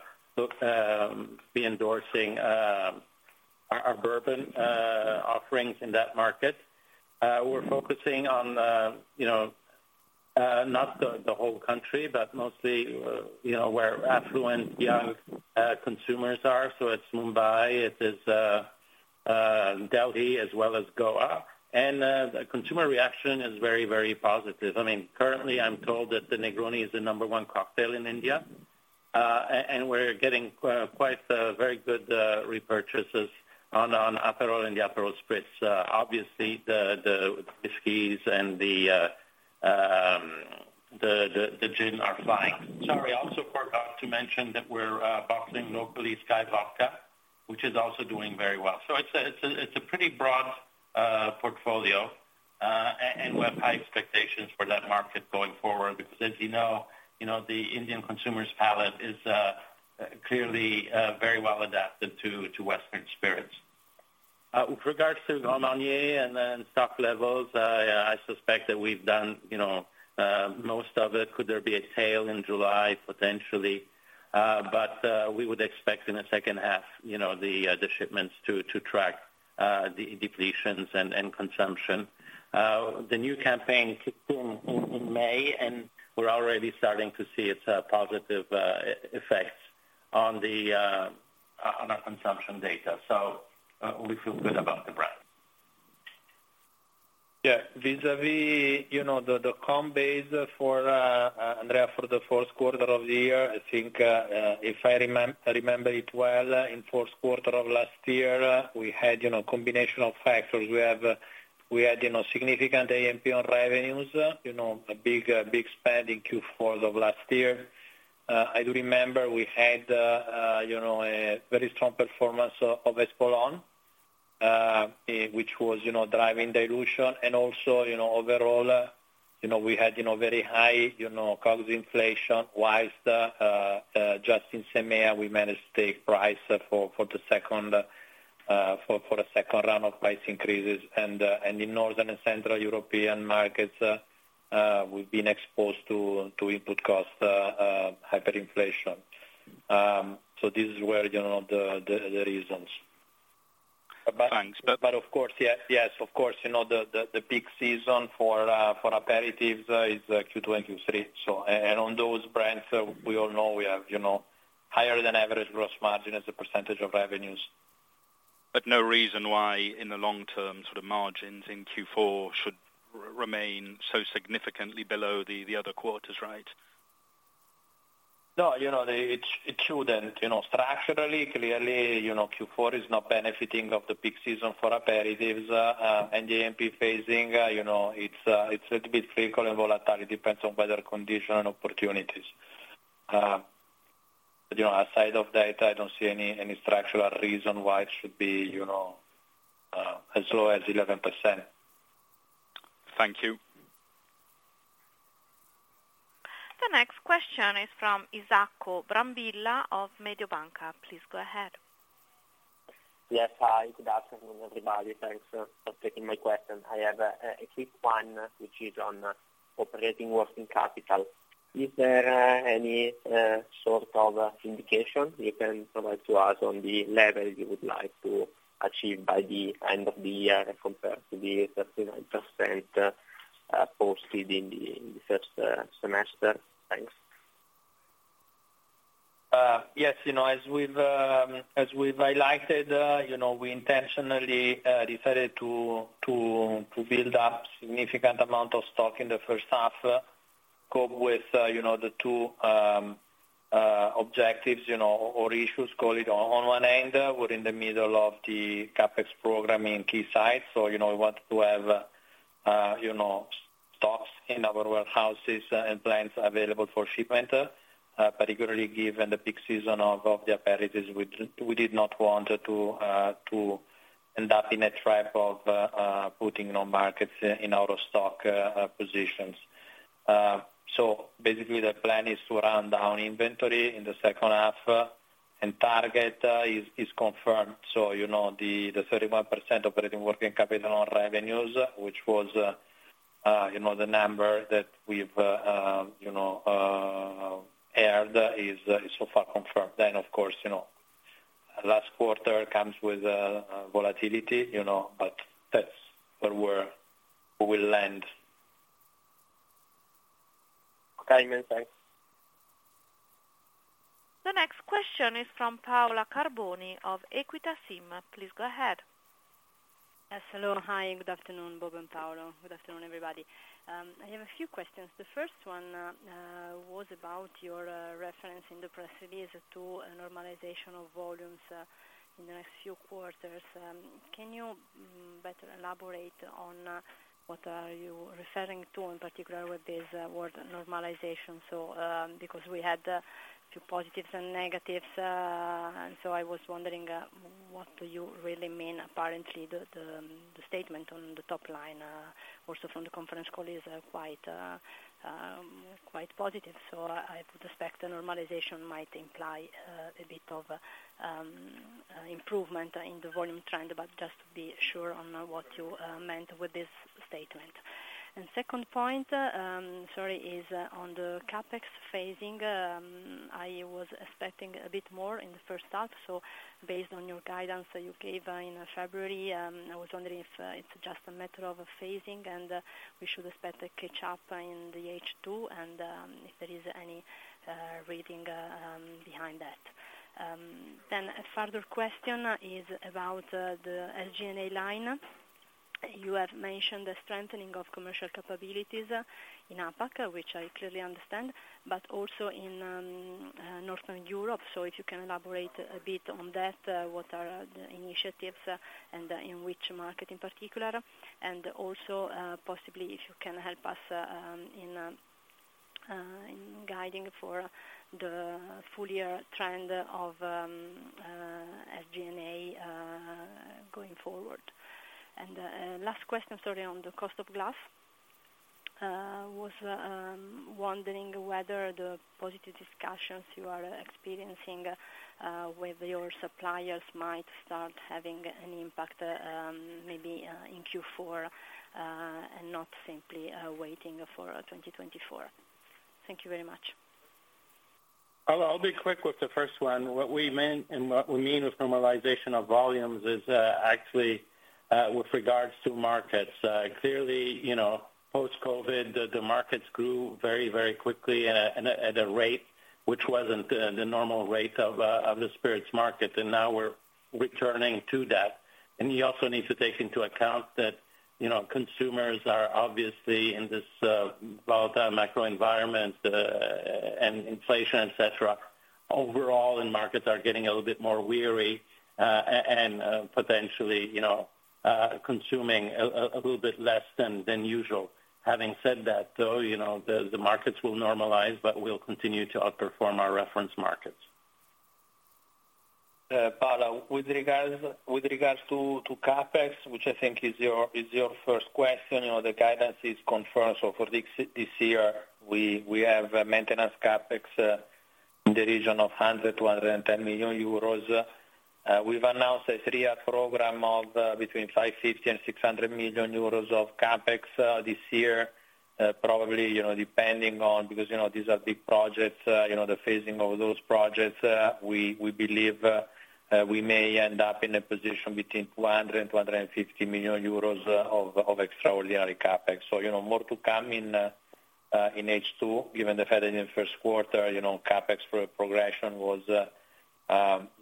be endorsing our bourbon offerings in that market. We're focusing on, you know, not the whole country, but mostly, you know, where affluent young consumers are. So it's Mumbai, it is Delhi, as well as Goa. The consumer reaction is very, very positive. I mean, currently, I'm told that the Negroni is the number one cocktail in India. We're getting quite very good repurchases on Aperol and the Aperol Spritz. Obviously, the whiskeys and the gin are flying. Sorry, I also forgot to mention that we're bottling locally SKYY Vodka, which is also doing very well. It's a pretty broad portfolio. We have high expectations for that market going forward, because as you know, the Indian consumer's palette is clearly very well adapted to Western spirits. With regards to Grand Marnier stock levels, I suspect that we've done, you know, most of it. Could there be a sale in July? Potentially. We would expect in the second half, you know, the shipments to track the depletions and consumption. The new campaign kicked in May. We're already starting to see its positive effects on our consumption data. We feel good about the brand. Yeah, vis-a-vis, you know, the comm base for Andrea, for the fourth quarter of the year, I think, if I remember it well, in fourth quarter of last year, we had, you know, combination of factors. We had, you know, significant AMP on revenues, you know, a big spend in Q4 of last year. I do remember we had, you know, a very strong performance of Espolòn, which was, you know, driving dilution. Overall, you know, we had, you know, very high, you know, COGS inflation-wise. Just in SEMEA, we managed to take price for the second, for a second round of price increases. In Northern and Central European markets, we've been exposed to input cost hyperinflation. This is where, you know, the, the reasons. Thanks. Of course, yes, of course, you know, the peak season for aperitifs is Q2 and Q3. And on those brands, we all know we have, you know, higher than average gross margin as a % of revenues. No reason why, in the long term, sort of margins in Q4 should remain so significantly below the other quarters, right? No, you know, the, it shouldn't. You know, structurally, clearly, you know, Q4 is not benefiting of the peak season for aperitifs and the AMP phasing, you know, it's a bit fickle and volatile. It depends on weather condition and opportunities. You know, outside of that, I don't see any structural reason why it should be, you know, as low as 11%. Thank you. The next question is from Isacco Brambilla of Mediobanca. Please go ahead. Yes, hi, good afternoon, everybody. Thanks for taking my question. I have a quick one, which is on operating working capital. Is there any sort of indication you can provide to us on the level you would like to achieve by the end of the year as compared to the 39% posted in the first semester? Thanks. Yes, you know, as we've, as we've highlighted, you know, we intentionally decided to build up significant amount of stock in the first half. Cope with, you know, the two objectives, you know, or issues, call it. On one end, we're in the middle of the CapEx program in key sites, so, you know, we want to have, you know, stocks in our warehouses and plants available for shipment, particularly given the peak season of the aperitives. We did not want to end up in a trap of putting no markets in out of stock positions. Basically the plan is to run down inventory in the second half, and target is confirmed. you know, the 31% operating working capital on revenues, which was, you know, the number that we've, you know, aired is so far confirmed. Of course, you know, last quarter comes with volatility, you know, but that's where we will land. Okay, thanks. The next question is from Paola Carboni of Equita SIM. Please go ahead. Yes, hello. Hi, good afternoon, Bob and Paolo. Good afternoon, everybody. I have a few questions. The first one was about your reference in the press release to a normalization of volumes in the next few quarters. Can you better elaborate on what are you referring to in particular with this word normalization? Because we had few positives and negatives, and so I was wondering what do you really mean? Apparently, the statement on the top line, also from the conference call is quite positive. I would expect the normalization might imply a bit of improvement in the volume trend, but just to be sure on what you meant with this statement. Second point, sorry, is on the CapEx phasing. I was expecting a bit more in the first half, based on your guidance that you gave in February. I was wondering if it's just a matter of phasing, and we should expect a catch up in the H2, and if there is any reading behind that. A further question is about the SG&A line. You have mentioned the strengthening of commercial capabilities in APAC, which I clearly understand, but also in Northern Europe. If you can elaborate a bit on that, what are the initiatives and in which market in particular? Also, possibly if you can help us in, in guiding for the full year trend of SG&A going forward. Last question, sorry, on the cost of glass. Was wondering whether the positive discussions you are experiencing with your suppliers might start having an impact maybe in Q4 and not simply waiting for 2024. Thank you very much. I'll be quick with the first one. What we meant and what we mean with normalization of volumes is actually with regards to markets. Clearly, you know, post-COVID, the markets grew very, very quickly and at a rate which wasn't the normal rate of the spirits market, and now we're returning to that. You also need to take into account that, you know, consumers are obviously in this volatile macro environment, and inflation, et cetera. Overall, markets are getting a little bit more weary, and potentially, you know, consuming a little bit less than usual. Having said that though, you know, the markets will normalize, but we'll continue to outperform our reference markets. Paola Carboni, with regards to CapEx, which I think is your first question, you know, the guidance is confirmed. For this year, we have a maintenance CapEx in the region of 100 million-110 million euros. We've announced a three year program of between 550 million-600 million euros of CapEx this year. Probably, you know, depending on, because, you know, these are big projects, you know, the phasing of those projects, we believe we may end up in a position between 200 million-250 million euros of extraordinary CapEx. You know, more to come in H2, given the fact that in the first quarter, you know, CapEx for progression was,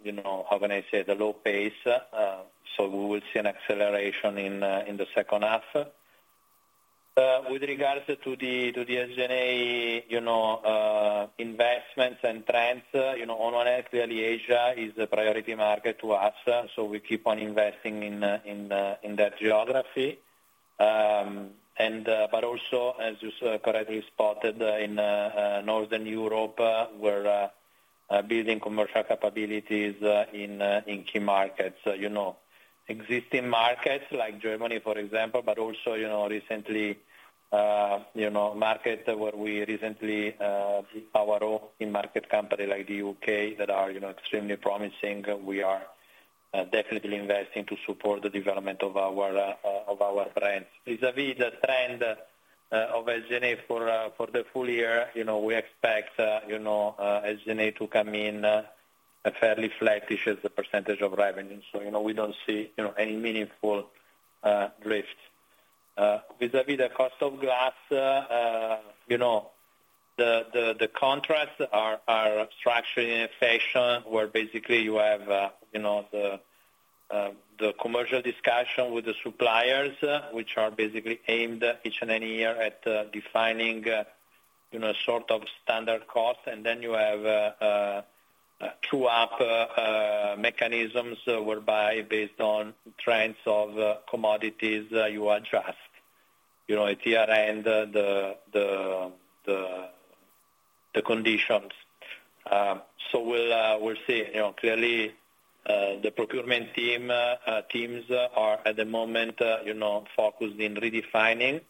you know, how can I say? The low pace, we will see an acceleration in the second half. With regards to the SG&A, you know, investments and trends, you know, honestly, Asia is a priority market to us, we keep on investing in that geography. Also, as you correctly spotted in Northern Europe, we're building commercial capabilities in key markets. You know, existing markets like Germany, for example, but also, you know, recently, markets where we recently our own in market company like the U.K., that are, you know, extremely promising. We are definitely investing to support the development of our brands. Vis-a-vis the trend of SG&A for the full year, you know, we expect, you know, SG&A to come in fairly flat as a percentage of revenue. We don't see, you know, any meaningful drift. Vis-a-vis the cost of glass, you know, the contracts are structured in a fashion where basically you have, you know, the commercial discussion with the suppliers, which are basically aimed each and every year at defining, you know, sort of standard cost. You have true-up mechanisms, whereby based on trends of commodities, you adjust, you know, at the end, the conditions. We'll see. You know, clearly, the procurement team, teams are at the moment, you know, focused in redefining,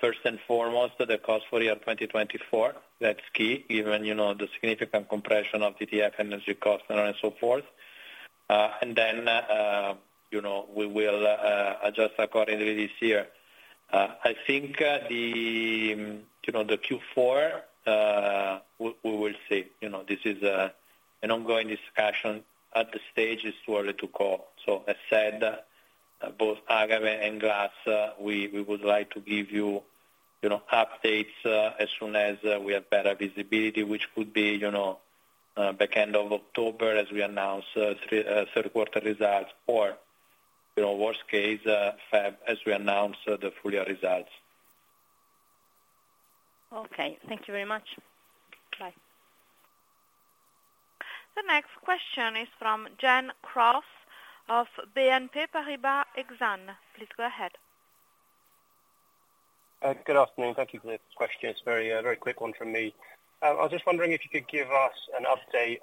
first and foremost, the cost for year 2024. That's key, given, you know, the significant compression of TTF energy costs and so forth. You know, we will adjust accordingly this year. I think, the, you know, the Q4, we will see. You know, this is an ongoing discussion. At this stage, it's too early to call. As said, both agave and glass, we would like to give you know, updates, as soon as, we have better visibility, which could be, you know, back end of October as we announce third quarter results, or, you know, worst case, February, as we announce the full year results. Okay. Thank you very much. Bye. The next question is from Gemma Cross of BNP Paribas Exane. Please go ahead. Good afternoon. Thank you for this question. It's a very quick one from me. I was just wondering if you could give us an update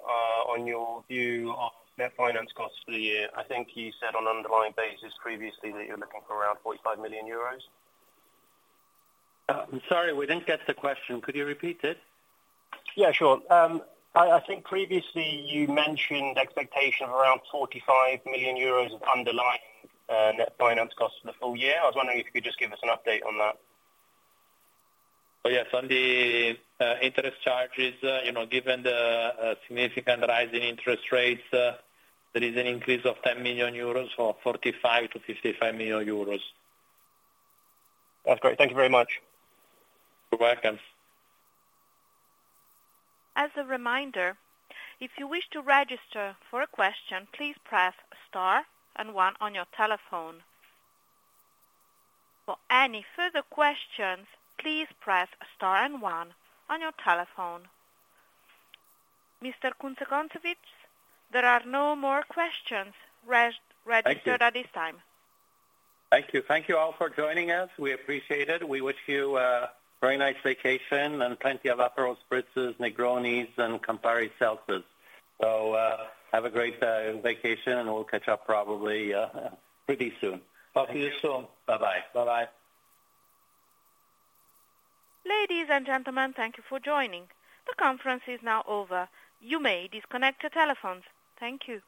on your view on net finance costs for the year. I think you said on underlying basis previously that you're looking for around 45 million euros? I'm sorry, we didn't catch the question. Could you repeat it? Yeah, sure. I think previously you mentioned expectation of around 45 million euros of underlying net finance costs for the full year. I was wondering if you could just give us an update on that. Yes, on the interest charges, you know, given the significant rise in interest rates, there is an increase of 10 million euros, so 45 million-55 million euros. That's great. Thank you very much. You're welcome. As a reminder, if you wish to register for a question, please press star and one on your telephone. For any further questions, please press star and one on your telephone. Mr. Kunze-Concewitz, there are no more questions registered. Thank you. At this time. Thank you. Thank you all for joining us. We appreciate it. We wish you a very nice vacation and plenty of Aperol Spritzes, Negronis, and Campari Seltzers. Have a great vacation, and we'll catch up probably pretty soon. Talk to you soon. Bye-bye. Bye-bye. Ladies and gentlemen, thank you for joining. The conference is now over. You may disconnect your telephones. Thank you.